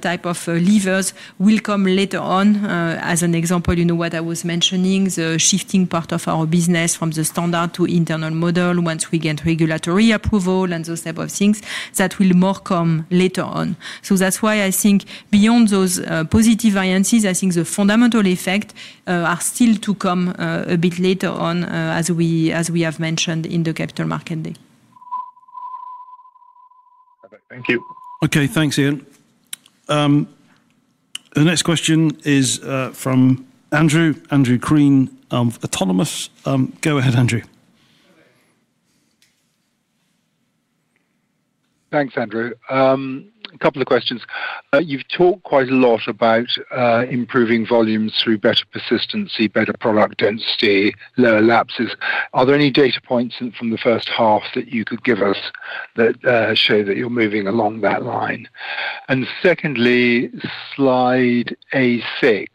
type of levers will come later on. As an example, what I was mentioning, the shifting part of our business from the standard to internal model once we get regulatory approval and those type of things, that will more come later on. That's why I think beyond those positive variances, the fundamental effect are still to come a bit later on as we have mentioned in the Capital Market Day. Okay, thanks Iain. The next question is from Andrew. Andrew Crean, AutonomousLLP. Go ahead, Andrew. Thanks, Andrew. A couple of questions. You've talked quite a lot about improving volumes through better persistency, better product density, lower lapses. Are there any data points from the first half that you could give us that show that you're moving along that line? Secondly, slide A6,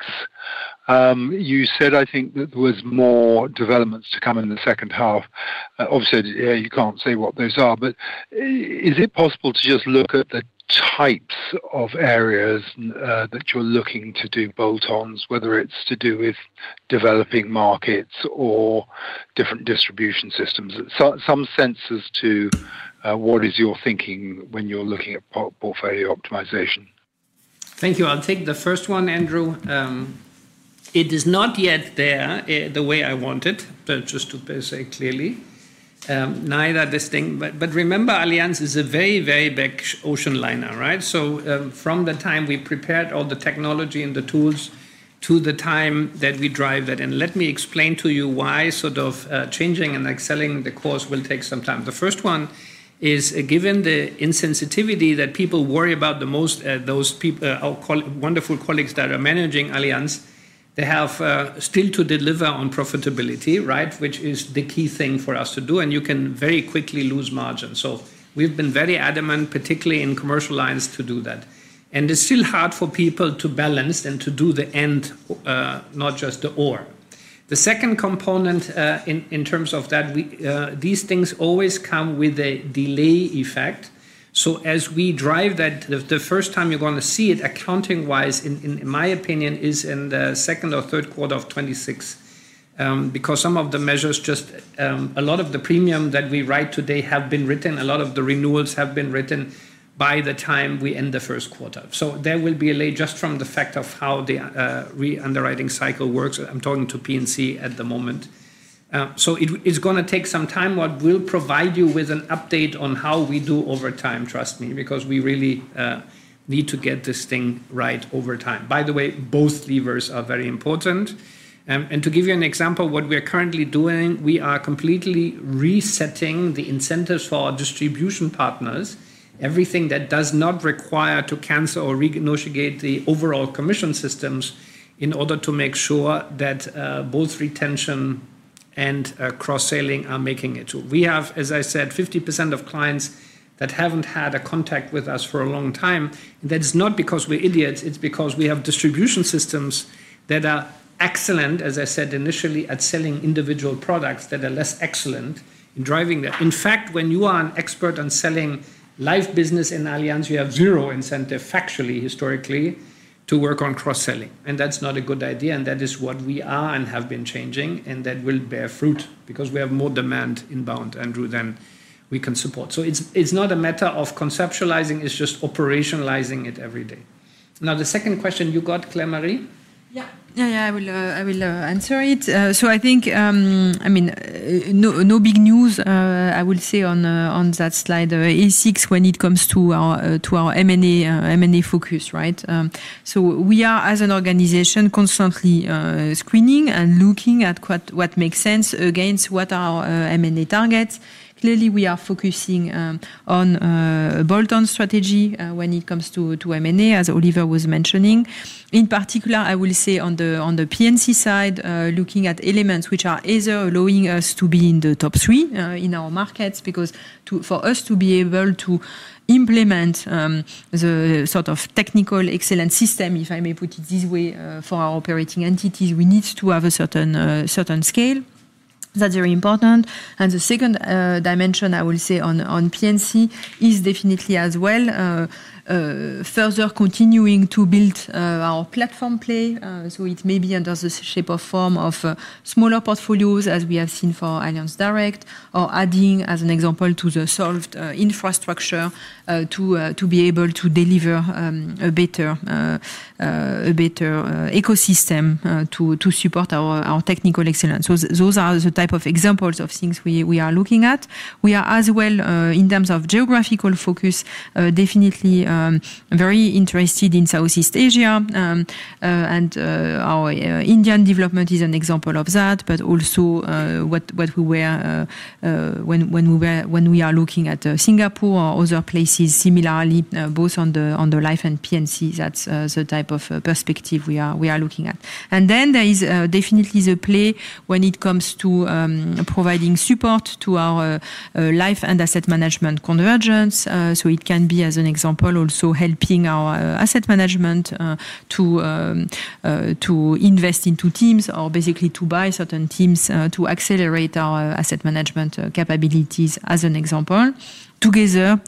you said, I think, that there was more developments to come in the second half. Obviously, you can't say what those are. Is it possible to just look at the types of areas that you're looking to do bolt-ons, whether it's to do with developing markets or different distribution systems? Some sense as to what is your thinking when you're looking at portfolio optimization. Thank you. I'll take the first one, Andrew. It is not yet there the way I want it. Just to say clearly, neither is this thing. Remember, Allianz is a very, very big ocean liner, right? From the time we prepared all the technology and the tools to the time that we drive that, let me explain to you why sort of changing and excelling the course will take some time. The first one is given the insensitivity that people worry about the most. Those people, wonderful colleagues that are managing Allianz, they have still to deliver on profitability, which is the key thing for us to do. You can very quickly lose margin. We've been very adamant, particularly in commercial lines, to do that. It's still hard for people to balance and to do the, and not just the, or the second component in. In terms of that, we, these things always come with a delay effect. As we drive that, the first time you're going to see it accounting-wise, in my opinion, is in 2Q 2026 because some of the measures, just a lot of the premium that we write today have been written. A lot of the renewals have been written by the time we end the first quarter. There will be a delay just from the fact of how the re-underwriting cycle works. I'm talking to P&C at the moment. It is going to take some time. We'll provide you with an update on how we do over time. Trust me, because we really need to get this thing right over time. By the way, both levers are very important. To give you an example, what we are currently doing, we are completely resetting the incentives for distribution partners, everything that does not require to cancel or renegotiate the overall commission systems in order to make sure that both retention and cross-selling are making it. We have, as I said, 50% of clients that haven't had a contact with us for a long time. That's not because we're idiots. It's because we have distribution systems that are excellent, as I said initially, at selling individual products that are less excellent in driving that. In fact, when you are an expert on selling Life and Health business in Allianz, you have zero incentive, factually historically, to work on cross-selling and that's not a good idea. That is what we are and have been changing. That will bear fruit because we have more demand inbound, Andrew, than we can support. It's not a matter of conceptualizing, it's just operationalizing it every day. Now the second question, you got Claire-Marie. Yeah, I will answer it. I think, I mean, no big news I will say on that slide A6 when it comes to our M&A focus, right. We are as an organization constantly screening and looking at what makes sense against what our M&A targets are. Clearly, we are focusing on bolt-on strategy when it comes to M&A as Oliver was mentioning. In particular, I will say on the P&C side, looking at elements which are either allowing us to be in the top three in our markets, because for us to be able to implement the sort of technical excellence system, if I may put it this way, for our operating entities, we need to have a certain scale. That's very important. The second dimension I will say on P&C is definitely as well further continuing to build our platform play. It may be under the shape or form of smaller portfolios as we have seen for Allianz DIRECT or adding as an example to the solved infrastructure to be able to deliver a better ecosystem to support our technical excellence. Those are the type of examples of things we are looking at. We are as well, in terms of geographical focus, definitely very interested in Southeast Asia, and our Indian development is an example of that. Also, when we are looking at Singapore or other places, similarly both on the Life and Health and P&C, that's the type of perspective we are looking at. There is definitely the play when it comes to providing support to our Life and Health and Asset Management convergence. It can be as an example also helping our Asset Management to invest into teams or basically to buy certain teams to accelerate our Asset Management capabilities as an example, together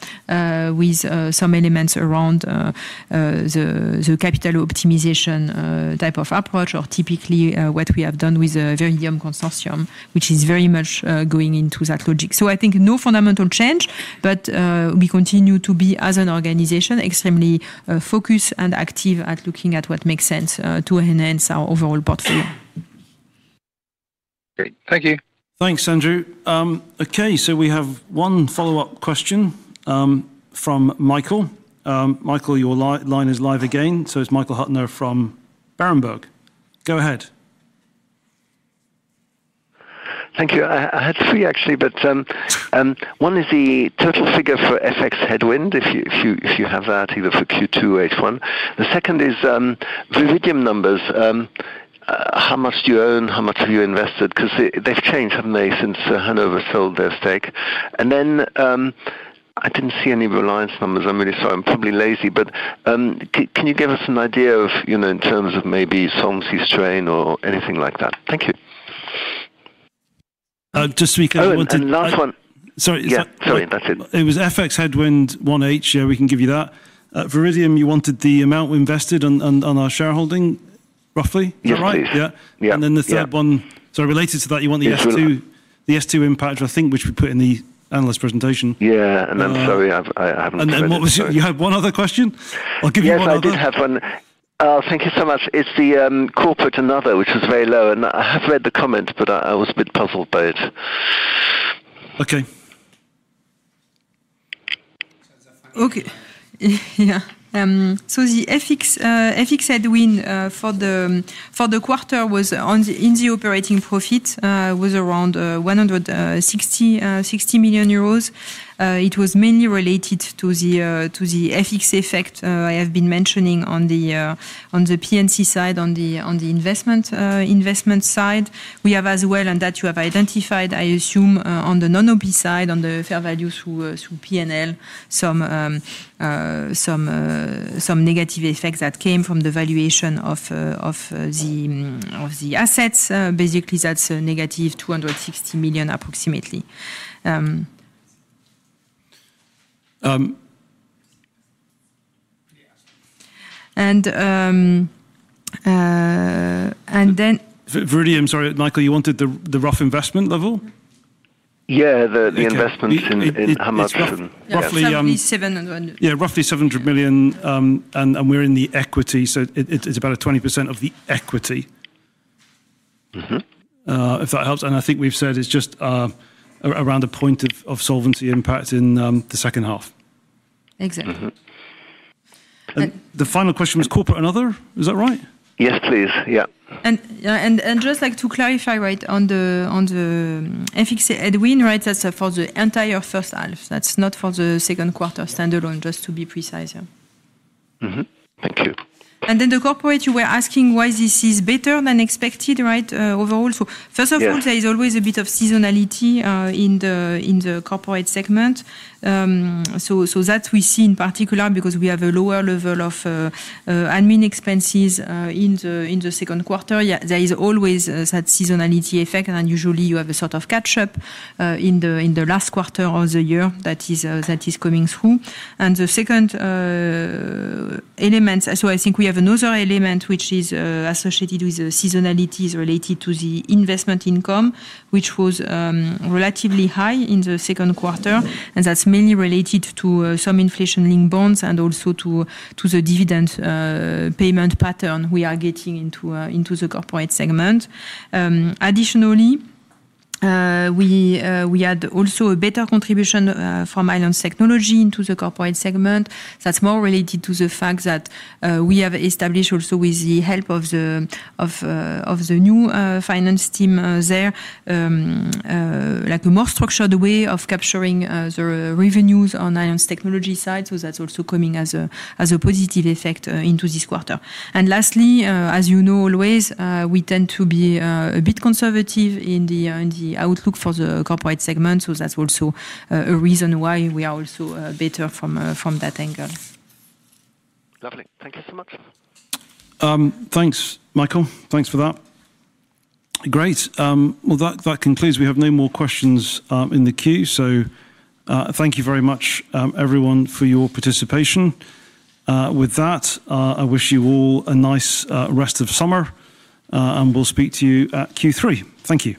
with some elements around the capital optimization type of approach or typically what we have done with the Viridium consortium, which is very much going into that logic. I think no fundamental change, but we continue to be as an organization extremely focused and active at looking at what makes sense to enhance our overall portfolio. Thank you. Thanks, Andrew. Okay, we have one follow-up question. Question from Michael. Michael, your line is live again. This is Michael Huttner from Berenberg. Go ahead. Thank you. I had three actually, but one is the purple figure for FX headwind if you have that either for Q2 or H1. The second is Veridium numbers. How much do you own? How much have you invested? Because they've changed, haven't they, since Hannover sold their stake? I didn't see any Reliance numbers. I'm really sorry, I'm probably lazy, but can you give us an idea of, you know, in terms of maybe solvency strain or anything like that? Thank you. Just one. Sorry. That's it. It was FX headwind 1H. Yeah, we can give you that Viridium you wanted, the amount we invested on our shareholding. Roughly. Yeah, yeah. The third one, related to that, you want the S2 impact, which I think we put in the analyst presentation. I'm sorry, I haven't. You had one other question. I'll give you. I did have one. Thank you so much. It's the corporate, another which was very low, and I have read the comment, but I was a bit puzzled by it. Okay. Okay. Yeah. The FX headwind for the quarter was on. In the operating profit was around 160 million euros. It was mainly related to the FX effect I have been mentioning on the P&C side. On the investment side we have as well, and that you have identified I assume on the non-op side, on the fair value through P&L, some negative effects that came from the valuation of the assets. Basically that's negative 260 million approximately. Viridium. Sorry Michael, you wanted the rough investment level. Yeah. The investments in Allianz. Yeah, roughly 700 million. We're in the equity, so it's about 20% of the equity, if that helps. I think we've said it's just around a point of solvency impact in the second half. Exactly. The final question was corporate and other. Is that right? Yes, please. Just like to clarify. Right. On the FX headwinds, that's for the entire first half. That's not for the second quarter standalone, just to be precise. You were asking why this is better than expected. Right. Overall, first of all, there is always a bit of seasonality in the corporate segment. We see that in particular because we have a lower level of admin expenses in the second quarter. There is always that seasonality effect, and usually you have a sort of catch up in the last quarter of the year that is coming through. The second element, I think we have another element which is associated with seasonalities related to the investment income, which was relatively high in the second quarter, and that's mainly related to some inflation-linked bonds and also to the dividend payment pattern we are getting into the corporate segment. Additionally, we had also a better contribution from Allianz Technology into the corporate segment. That's more related to the fact that we have established, also with the help of the new finance team, a more structured way of capturing the revenues on Allianz Technology side. That's also coming as a positive effect into this quarter. Lastly, as you know, always, we tend to be a bit conservative in the outlook for the corporate segment. That's also a reason why we are also better from that angle. Lovely. Thank you so much. Thanks, Michael. Thanks for that. Great. That concludes, we have no more questions in the queue. Thank you very much, everyone, for your participation with that. I wish you all a nice rest of summer, and we'll speak to you at Q3. Thank you.